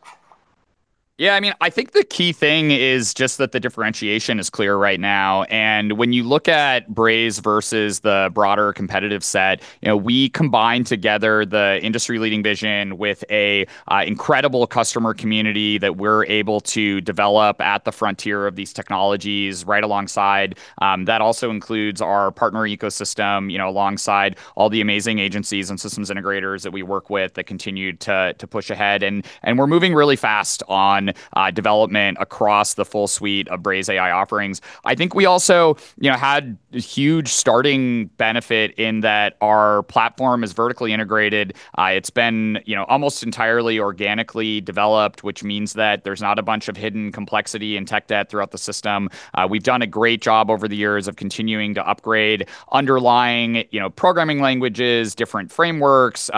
Yeah, I think the key thing is just that the differentiation is clear right now. When you look at Braze versus the broader competitive set, we combine together the industry-leading vision with an incredible customer community that we're able to develop at the frontier of these technologies right alongside. That also includes our partner ecosystem, alongside all the amazing agencies and systems integrators that we work with that continue to push ahead. We're moving really fast on development across the full suite of BrazeAI offerings. I think we also had a huge starting benefit in that our platform is vertically integrated. It's been almost entirely organically developed, which means that there's not a bunch of hidden complexity and tech debt throughout the system. We've done a great job over the years of continuing to upgrade underlying programming languages, different frameworks,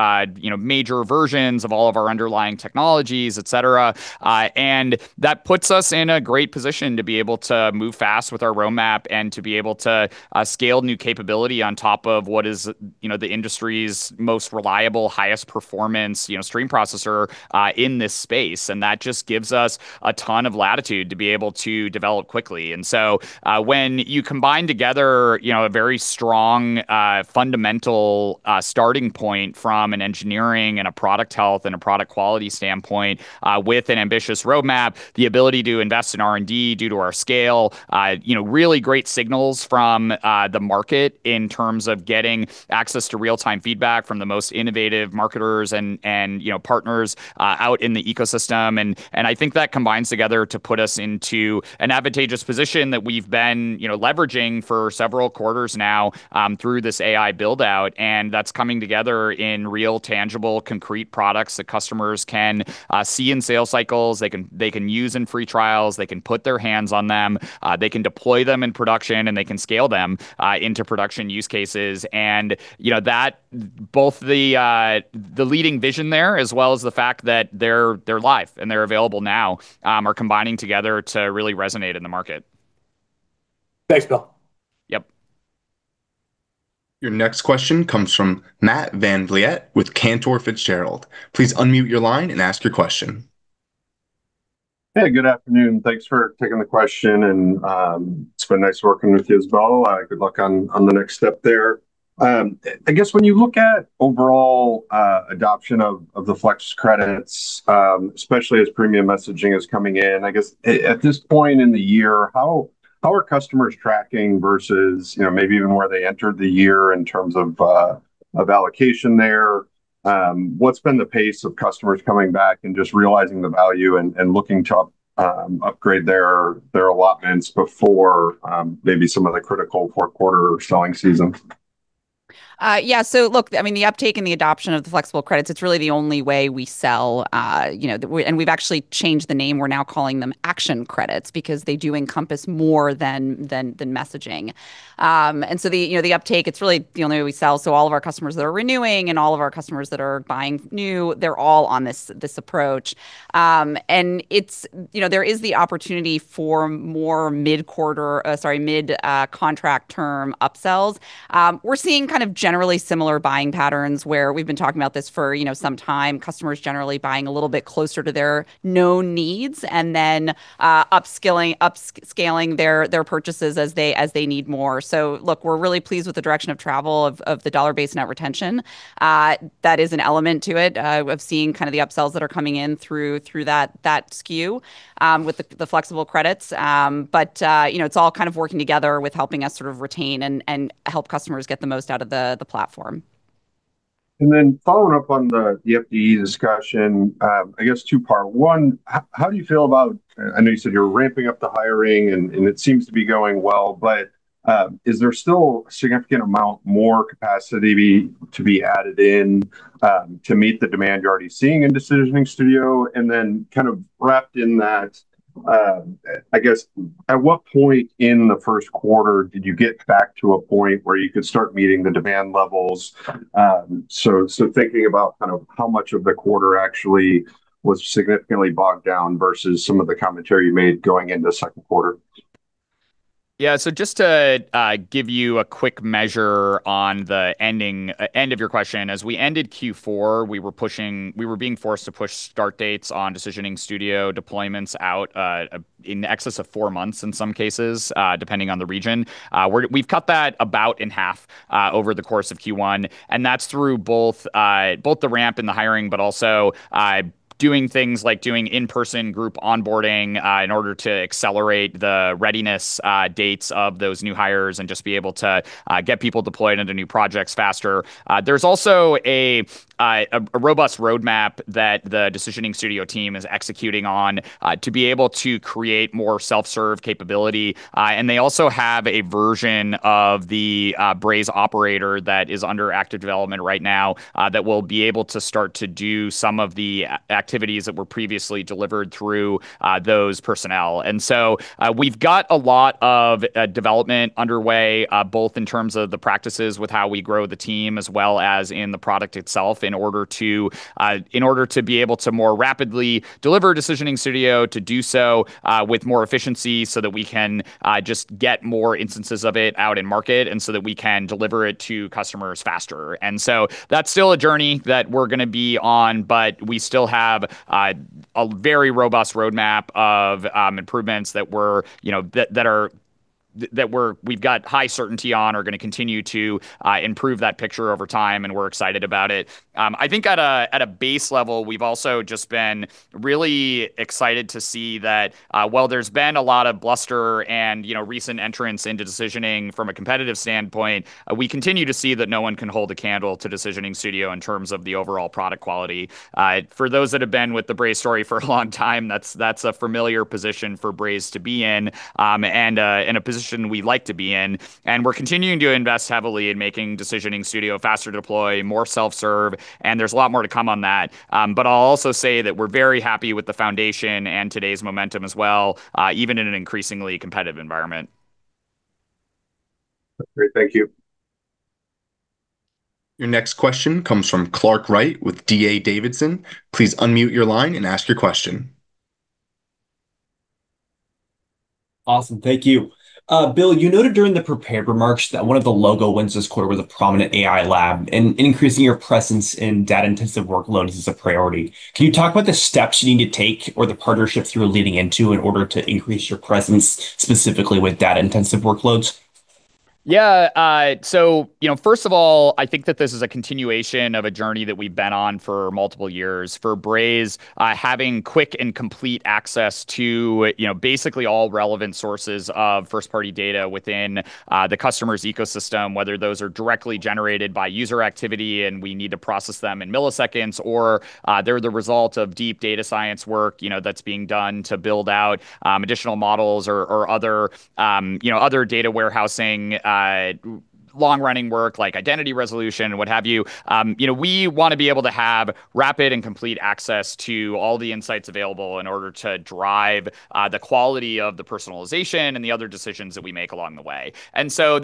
major versions of all of our underlying technologies, et cetera. That puts us in a great position to be able to move fast with our roadmap and to be able to scale new capability on top of what is the industry's most reliable, highest performance stream processor in this space. That just gives us a ton of latitude to be able to develop quickly. When you combine together a very strong fundamental starting point from an engineering and a product health and a product quality standpoint with an ambitious roadmap, the ability to invest in R&D due to our scale, really great signals from the market in terms of getting access to real-time feedback from the most innovative marketers and partners out in the ecosystem. I think that combines together to put us into an advantageous position that we've been leveraging for several quarters now through this AI build-out, and that's coming together in real, tangible, concrete products that customers can see in sales cycles, they can use in free trials, they can put their hands on them, they can deploy them in production, and they can scale them into production use cases. Both the leading vision there as well as the fact that they're live and they're available now are combining together to really resonate in the market. Thanks, Bill. Yep. Your next question comes from Matt VanVliet with Cantor Fitzgerald. Please unmute your line and ask your question. Hey, good afternoon. Thanks for taking the question. It's been nice working with you as well. Good luck on the next step there. I guess when you look at overall adoption of the Flex Credits, especially as premium messaging is coming in, I guess at this point in the year, how are customers tracking versus maybe even where they entered the year in terms of allocation there? What's been the pace of customers coming back and just realizing the value and looking to upgrade their allotments before maybe some of the critical fourth quarter selling seasons? Yeah. Look, the uptake and the adoption of the Flex Credits, it's really the only way we sell. We've actually changed the name. We're now calling them Action Credits because they do encompass more than messaging. The uptake, it's really the only way we sell. All of our customers that are renewing and all of our customers that are buying new, they're all on this approach. There is the opportunity for more mid contract term upsells. We're seeing generally similar buying patterns where we've been talking about this for some time, customers generally buying a little bit closer to their known needs and then upscaling their purchases as they need more. Look, we're really pleased with the direction of travel of the dollar-based net retention. That is an element to it, of seeing the upsells that are coming in through that SKU with the flexible credits. It's all working together with helping us sort of retain and help customers get the most out of the platform. Following up on the FDE discussion, I guess two-part. One, I know you said you're ramping up the hiring, and it seems to be going well, but is there still a significant amount more capacity to be added in to meet the demand you're already seeing in Decisioning Studio? Kind of wrapped in that, I guess at what point in the first quarter did you get back to a point where you could start meeting the demand levels? So thinking about how much of the quarter actually was significantly bogged down versus some of the commentary you made going into second quarter. Just to give you a quick measure on the end of your question, as we ended Q4, we were being forced to push start dates on Decisioning Studio deployments out in excess of four months in some cases, depending on the region. We've cut that about in half over the course of Q1, and that's through both the ramp and the hiring, but also doing things like doing in-person group onboarding in order to accelerate the readiness dates of those new hires and just be able to get people deployed into new projects faster. There's also a robust roadmap that the Decisioning Studio team is executing on to be able to create more self-serve capability. They also have a version of the BrazeAI Operator that is under active development right now that will be able to start to do some of the activities that were previously delivered through those personnel. We've got a lot of development underway, both in terms of the practices with how we grow the team as well as in the product itself in order to be able to more rapidly deliver BrazeAI Decisioning Studio to do so with more efficiency so that we can just get more instances of it out in market and so that we can deliver it to customers faster. That's still a journey that we're going to be on, but we still have a very robust roadmap of improvements that are that we've got high certainty on, are going to continue to improve that picture over time, and we're excited about it. I think at a base level, we've also just been really excited to see that while there's been a lot of bluster and recent entrants into decisioning from a competitive standpoint, we continue to see that no one can hold a candle to Decisioning Studio in terms of the overall product quality. For those that have been with the Braze story for a long time, that's a familiar position for Braze to be in, and a position we like to be in, and we're continuing to invest heavily in making Decisioning Studio faster to deploy, more self-serve, and there's a lot more to come on that. I'll also say that we're very happy with the foundation and today's momentum as well, even in an increasingly competitive environment. Great. Thank you. Your next question comes from Clark Wright with D.A. Davidson. Please unmute your line and ask your question. Awesome. Thank you. Bill, you noted during the prepared remarks that one of the logo wins this quarter was a prominent AI lab, and increasing your presence in data intensive workloads is a priority. Can you talk about the steps you need to take or the partnerships you are leading into in order to increase your presence specifically with data intensive workloads? Yeah. First of all, I think that this is a continuation of a journey that we've been on for multiple years. For Braze, having quick and complete access to basically all relevant sources of first-party data within the customer's ecosystem, whether those are directly generated by user activity and we need to process them in milliseconds, or they're the result of deep data science work that's being done to build out additional models or other data warehousing, long-running work like identity resolution and what have you. We want to be able to have rapid and complete access to all the insights available in order to drive the quality of the personalization and the other decisions that we make along the way.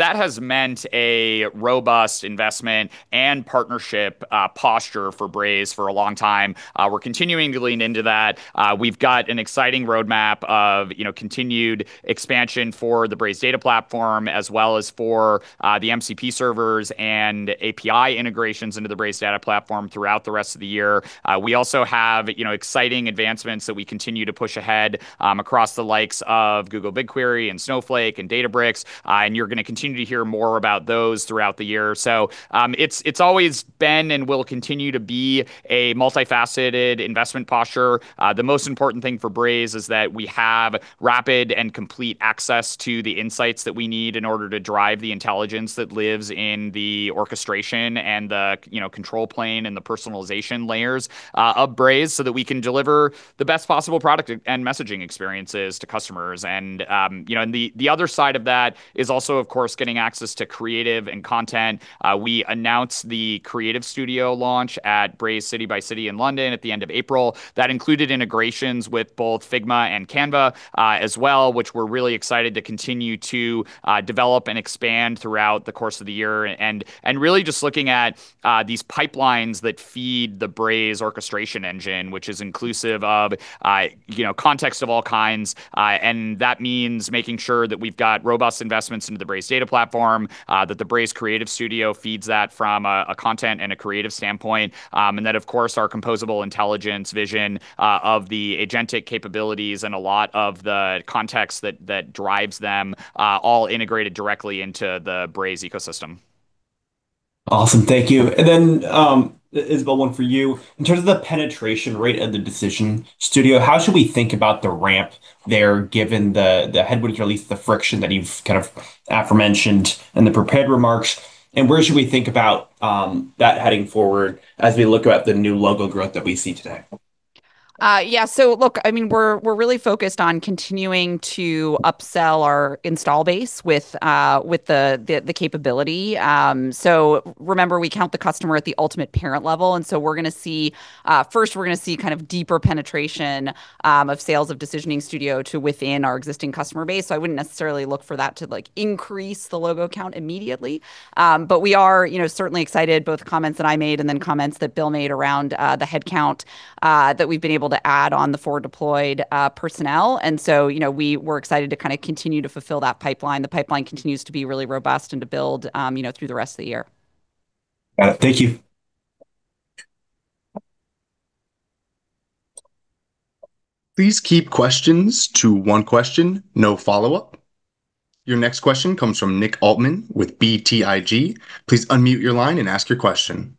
That has meant a robust investment and partnership posture for Braze for a long time. We're continuing to lean into that. We've got an exciting roadmap of continued expansion for the Braze Data Platform, as well as for the MCP servers and API integrations into the Braze Data Platform throughout the rest of the year. We also have exciting advancements that we continue to push ahead across the likes of Google BigQuery and Snowflake and Databricks, and you're going to continue to hear more about those throughout the year. It's always been and will continue to be a multifaceted investment posture. The most important thing for Braze is that we have rapid and complete access to the insights that we need in order to drive the intelligence that lives in the orchestration and the control plane and the personalization layers of Braze so that we can deliver the best possible product and messaging experiences to customers. The other side of that is also, of course, getting access to creative and content. We announced the Creative Studio launch at Braze City x City in London at the end of April. That included integrations with both Figma and Canva as well, which we're really excited to continue to develop and expand throughout the course of the year. Really just looking at these pipelines that feed the Braze orchestration engine, which is inclusive of context of all kinds. That means making sure that we've got robust investments into the Braze Data Platform, that the Braze Creative Studio feeds that from a content and a creative standpoint. Then, of course, our composable intelligence vision of the agentic capabilities and a lot of the context that drives them all integrated directly into the Braze ecosystem. Awesome. Thank you. Isabelle, one for you. In terms of the penetration rate of the Decision Studio, how should we think about the ramp there, given the headwind, or at least the friction that you've kind of aforementioned in the prepared remarks, and where should we think about that heading forward as we look at the new logo growth that we see today? Yeah. Look, we're really focused on continuing to upsell our install base with the capability. Remember, we count the customer at the ultimate parent level, and so first, we're going to see deeper penetration of sales of Decisioning Studio to within our existing customer base. I wouldn't necessarily look for that to increase the logo count immediately. We are certainly excited, both comments that I made and then comments that Bill made around the headcount that we've been able to add on the forward deployed personnel. We're excited to continue to fulfill that pipeline. The pipeline continues to be really robust and to build through the rest of the year. Got it. Thank you. Please keep questions to one question, no follow-up. Your next question comes from Nick Altmann with BTIG. Please unmute your line and ask your question.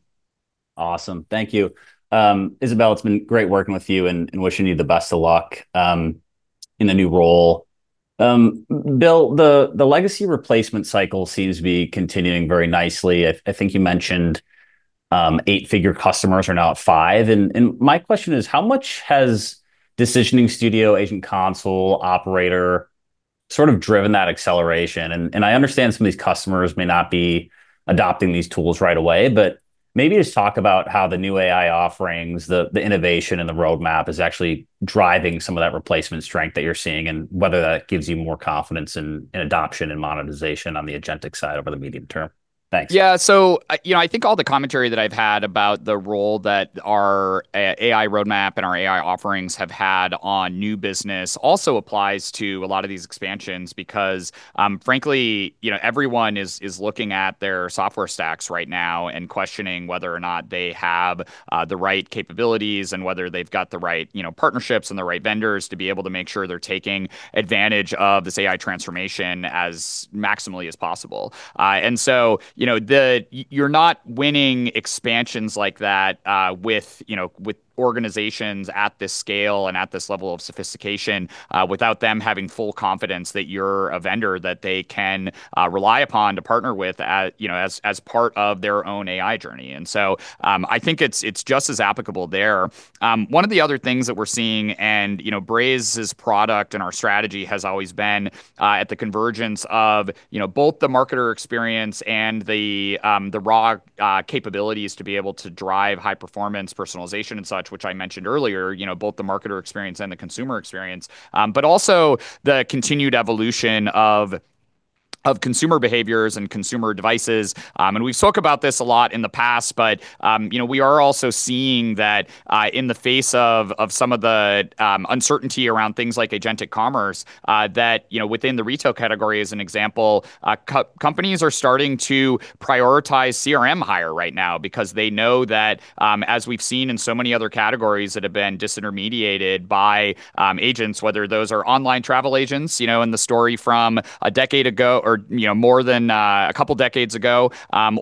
Awesome. Thank you. Isabelle, it's been great working with you, and wishing you the best of luck in the new role. Bill, the legacy replacement cycle seems to be continuing very nicely. I think you mentioned eight-figure customers are now at five. My question is, how much has Decisioning Studio, Agent Console, Operator sort of driven that acceleration? I understand some of these customers may not be adopting these tools right away, but maybe just talk about how the new AI offerings, the innovation in the roadmap is actually driving some of that replacement strength that you're seeing, and whether that gives you more confidence in adoption and monetization on the agentic side over the medium term. Thanks. Yeah. I think all the commentary that I've had about the role that our AI roadmap and our AI offerings have had on new business also applies to a lot of these expansions, because frankly, everyone is looking at their software stacks right now and questioning whether or not they have the right capabilities and whether they've got the right partnerships and the right vendors to be able to make sure they're taking advantage of this AI transformation as maximally as possible. You're not winning expansions like that with organizations at this scale and at this level of sophistication without them having full confidence that you're a vendor that they can rely upon to partner with as part of their own AI journey. I think it's just as applicable there. One of the other things that we're seeing, and Braze's product and our strategy has always been at the convergence of both the marketer experience and the raw capabilities to be able to drive high performance personalization and such, which I mentioned earlier, both the marketer experience and the consumer experience, but also the continued evolution of consumer behaviors and consumer devices. We've spoke about this a lot in the past, but we are also seeing that in the face of some of the uncertainty around things like agentic commerce, that within the retail category as an example, companies are starting to prioritize CRM higher right now because they know that, as we've seen in so many other categories that have been disintermediated by agents, Whether those are online travel agents in the story from a decade ago or more than a couple decades ago,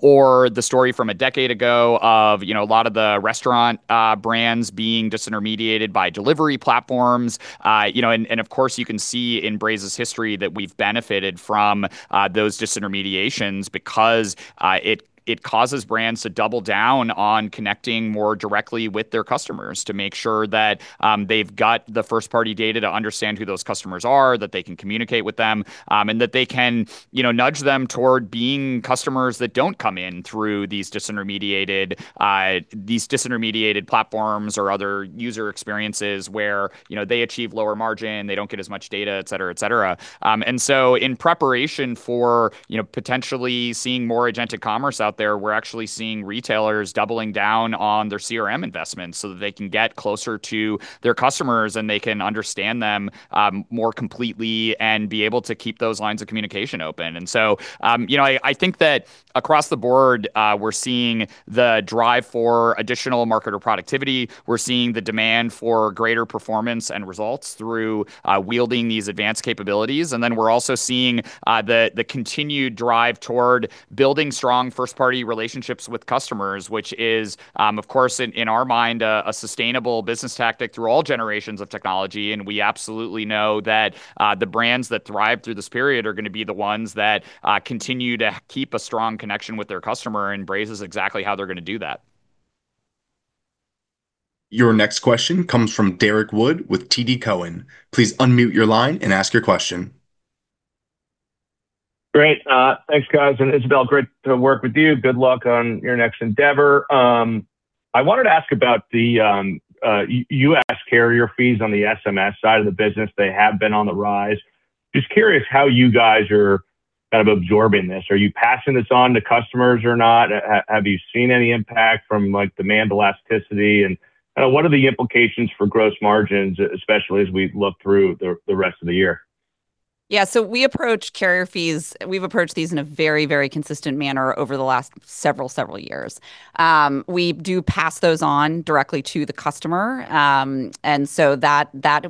or the story from a decade ago of a lot of the restaurant brands being disintermediated by delivery platforms. Of course, you can see in Braze's history that we've benefited from those disintermediations because it causes brands to double down on connecting more directly with their customers to make sure that they've got the first-party data to understand who those customers are, that they can communicate with them, and that they can nudge them toward being customers that don't come in through these disintermediated platforms or other user experiences where they achieve lower margin, they don't get as much data, et cetera. In preparation for potentially seeing more agentic commerce out there, we're actually seeing retailers doubling down on their CRM investments so that they can get closer to their customers, and they can understand them more completely and be able to keep those lines of communication open. I think that across the board, we're seeing the drive for additional marketer productivity. We're seeing the demand for greater performance and results through wielding these advanced capabilities. We're also seeing the continued drive toward building strong first-party relationships with customers, which is, of course, in our mind, a sustainable business tactic through all generations of technology. We absolutely know that the brands that thrive through this period are going to be the ones that continue to keep a strong connection with their customer, and Braze is exactly how they're going to do that. Your next question comes from Derrick Wood with TD Cowen. Please unmute your line and ask your question. Great. Thanks, guys. Isabelle, great to work with you. Good luck on your next endeavor. I wanted to ask about the U.S. carrier fees on the SMS side of the business. They have been on the rise. Curious how you guys are kind of absorbing this. Are you passing this on to customers or not? Have you seen any impact from demand elasticity, and what are the implications for gross margins, especially as we look through the rest of the year? Yeah. We've approached these in a very consistent manner over the last several years. We do pass those on directly to the customer.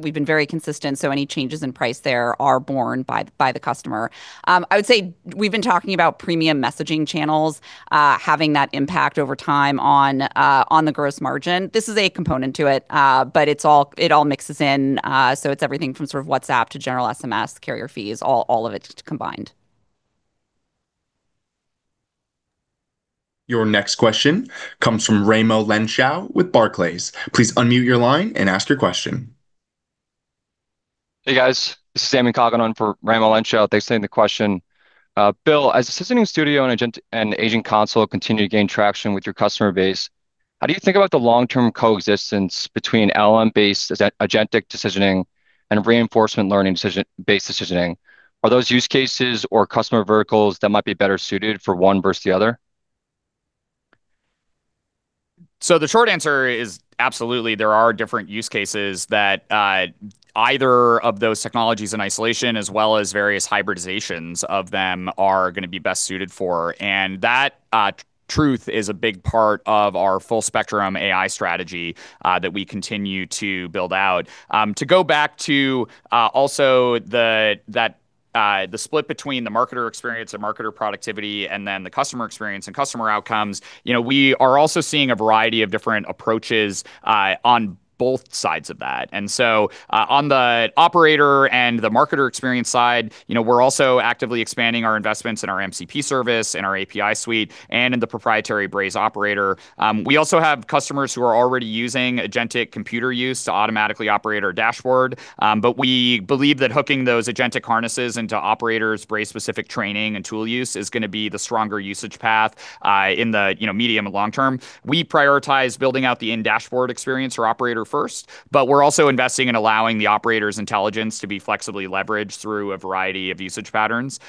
We've been very consistent. Any changes in price there are borne by the customer. I would say we've been talking about premium messaging channels, having that impact over time on the gross margin. This is a component to it. It all mixes in. It's everything from sort of WhatsApp to general SMS carrier fees, all of it combined. Your next question comes from Raimo Lenschow with Barclays. Please unmute your line and ask your question. Hey, guys. This is Sammy Cogganon for Raimo Lenschow. Thanks for taking the question. Bill, as Decisioning Studio and Agent Console continue to gain traction with your customer base, how do you think about the long-term coexistence between LLM-based agentic decisioning and reinforcement learning-based decisioning? Are those use cases or customer verticals that might be better suited for one versus the other? The short answer is absolutely, there are different use cases that either of those technologies in isolation as well as various hybridizations of them are going to be best suited for, and that truth is a big part of our full spectrum AI strategy that we continue to build out. To go back to also that the split between the marketer experience and marketer productivity, and then the customer experience and customer outcomes. We are also seeing a variety of different approaches on both sides of that. On the operator and the marketer experience side, we're also actively expanding our investments in our MCP service, in our API suite, and in the proprietary Braze operator. We also have customers who are already using agentic computer use to automatically operate our dashboard. We believe that hooking those agentic harnesses into operators, Braze-specific training, and tool use is going to be the stronger usage path in the medium and long term. We prioritize building out the in-dashboard experience for operator first, but we're also investing in allowing the operator's intelligence to be flexibly leveraged through a variety of usage patterns.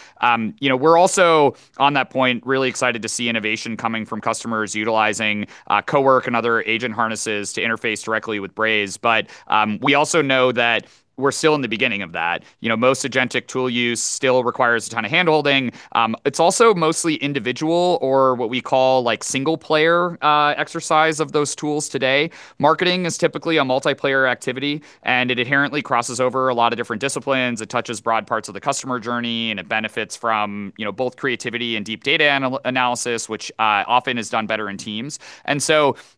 We're also, on that point, really excited to see innovation coming from customers utilizing Cowork and other agent harnesses to interface directly with Braze. We also know that we're still in the beginning of that. Most agentic tool use still requires a ton of hand-holding. It's also mostly individual or what we call single player exercise of those tools today. Marketing is typically a multiplayer activity, and it inherently crosses over a lot of different disciplines, it touches broad parts of the customer journey, and it benefits from both creativity and deep data analysis, which often is done better in teams.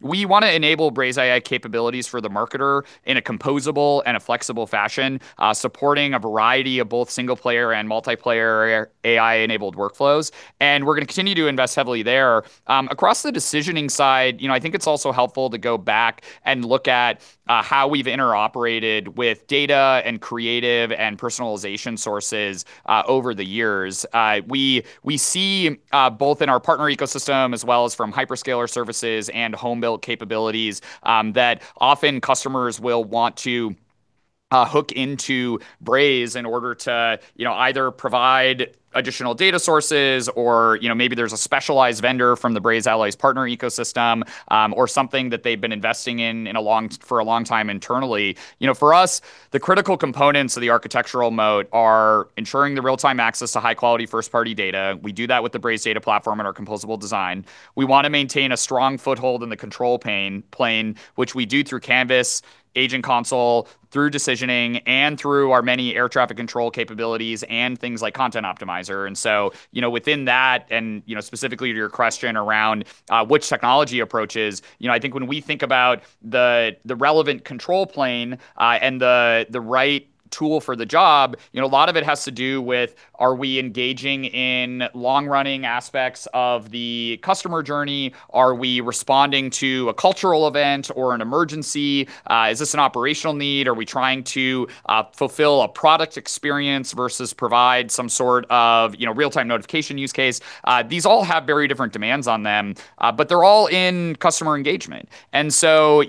We want to enable BrazeAI capabilities for the marketer in a composable and a flexible fashion, supporting a variety of both single player and multiplayer AI-enabled workflows. We're going to continue to invest heavily there. Across the decisioning side, I think it's also helpful to go back and look at how we've interoperated with data, and creative, and personalization sources over the years. We see, both in our partner ecosystem as well as from hyperscaler services and home-built capabilities, that often customers will want to hook into Braze in order to either provide additional data sources or maybe there's a specialized vendor from the Braze Alloys partner ecosystem, or something that they've been investing in for a long time internally. For us, the critical components of the architectural mode are ensuring the real-time access to high-quality first-party data. We do that with the Braze Data Platform and our composable design. We want to maintain a strong foothold in the control plane, which we do through Canvas, Agent Console, through decisioning, and through our many air traffic control capabilities, and things like Content Optimizer. Within that, and specifically to your question around which technology approaches, I think when we think about the relevant control plane, and the right tool for the job, a lot of it has to do with are we engaging in long-running aspects of the customer journey? Are we responding to a cultural event or an emergency? Is this an operational need? Are we trying to fulfill a product experience versus provide some sort of real-time notification use case? These all have very different demands on them, but they're all in customer engagement.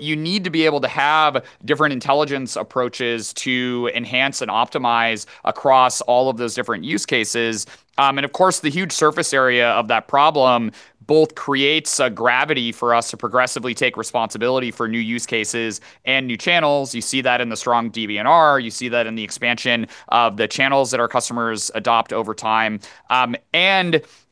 You need to be able to have different intelligence approaches to enhance and optimize across all of those different use cases. Of course, the huge surface area of that problem both creates a gravity for us to progressively take responsibility for new use cases and new channels. You see that in the strong DBNR, you see that in the expansion of the channels that our customers adopt over time.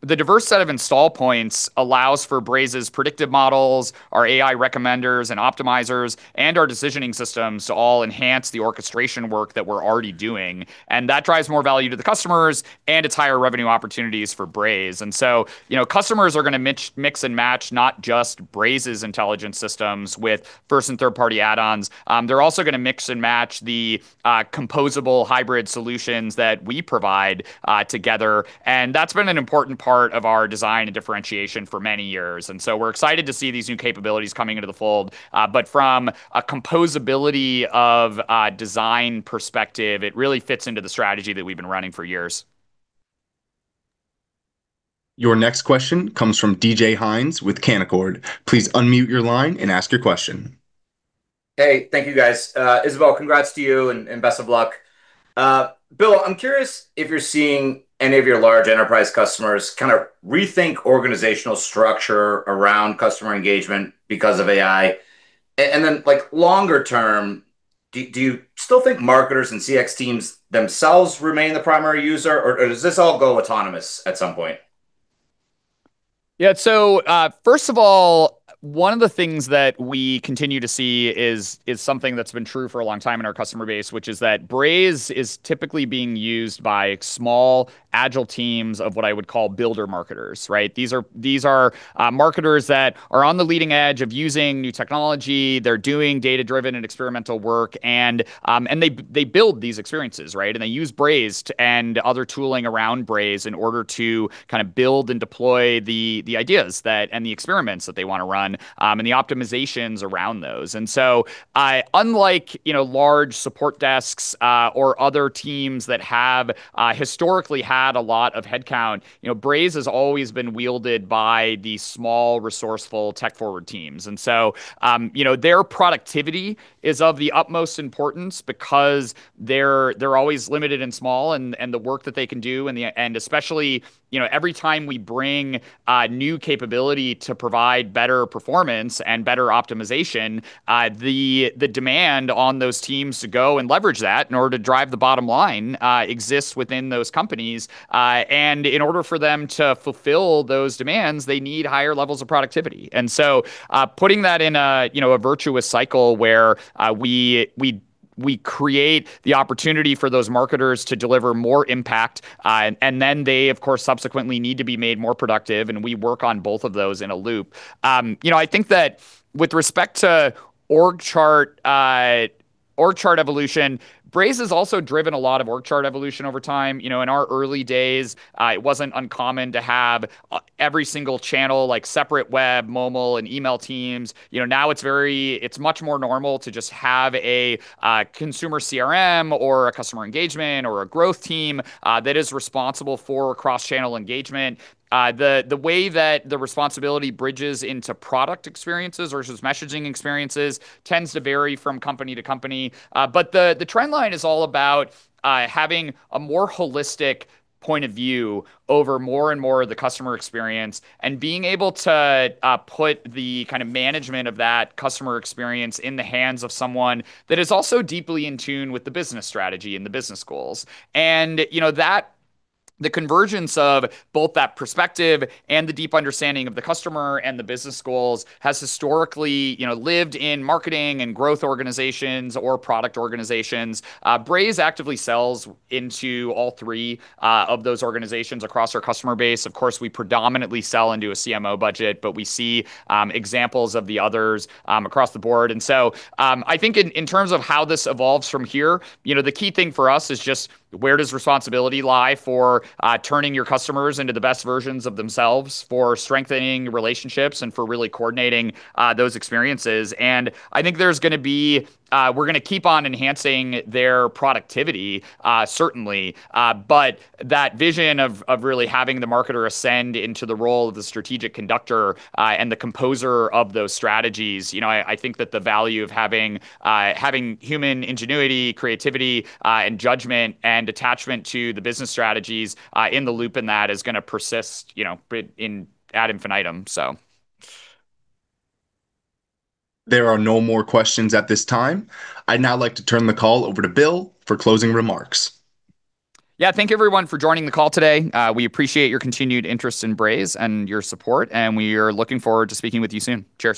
The diverse set of install points allows for Braze's predictive models, our AI recommenders and optimizers, and our decisioning systems to all enhance the orchestration work that we're already doing. That drives more value to the customers and it's higher revenue opportunities for Braze. Customers are going to mix and match, not just Braze's intelligence systems with first and third-party add-ons. They're also going to mix and match the composable hybrid solutions that we provide together. That's been an important part of our design and differentiation for many years. We're excited to see these new capabilities coming into the fold. From a composability of design perspective, it really fits into the strategy that we've been running for years. Your next question comes from DJ Hynes with Canaccord. Please unmute your line and ask your question. Hey, thank you, guys. Isabelle, congrats to you and best of luck. Bill, I'm curious if you're seeing any of your large enterprise customers rethink organizational structure around customer engagement because of AI. Longer term, do you still think marketers and CX teams themselves remain the primary user, or does this all go autonomous at some point? First of all, one of the things that we continue to see is something that's been true for a long time in our customer base, which is that Braze is typically being used by small, agile teams of what I would call builder marketers, right? These are marketers that are on the leading edge of using new technology. They're doing data-driven and experimental work, and they build these experiences, right? They use Braze and other tooling around Braze in order to build and deploy the ideas and the experiments that they want to run, and the optimizations around those. Unlike large support desks or other teams that have historically had a lot of headcount, Braze has always been wielded by the small, resourceful, tech-forward teams. Their productivity is of the utmost importance because they're always limited and small in the work that they can do, and especially every time we bring a new capability to provide better performance and better optimization, the demand on those teams to go and leverage that in order to drive the bottom line exists within those companies. In order for them to fulfill those demands, they need higher levels of productivity. Putting that in a virtuous cycle where We create the opportunity for those marketers to deliver more impact. Then they, of course, subsequently need to be made more productive, and we work on both of those in a loop. I think that with respect to org chart evolution, Braze has also driven a lot of org chart evolution over time. In our early days, it wasn't uncommon to have every single channel, like separate web, mobile, and email teams. Now it's much more normal to just have a consumer CRM or a customer engagement or a growth team that is responsible for cross-channel engagement. The way that the responsibility bridges into product experiences versus messaging experiences tends to vary from company to company. The trend line is all about having a more holistic point of view over more and more of the customer experience, and being able to put the management of that customer experience in the hands of someone that is also deeply in tune with the business strategy and the business goals. The convergence of both that perspective and the deep understanding of the customer and the business goals has historically lived in marketing and growth organizations or product organizations. Braze actively sells into all three of those organizations across our customer base. Of course, we predominantly sell into a CMO budget, but we see examples of the others across the board. I think in terms of how this evolves from here, the key thing for us is just where does responsibility lie for turning your customers into the best versions of themselves, for strengthening relationships, and for really coordinating those experiences. I think we're going to keep on enhancing their productivity, certainly. That vision of really having the marketer ascend into the role of the strategic conductor and the composer of those strategies, I think that the value of having human ingenuity, creativity, and judgment, and attachment to the business strategies in the loop in that is going to persist ad infinitum. There are no more questions at this time. I'd now like to turn the call over to Bill for closing remarks. Thank you, everyone, for joining the call today. We appreciate your continued interest in Braze and your support, and we are looking forward to speaking with you soon. Cheers.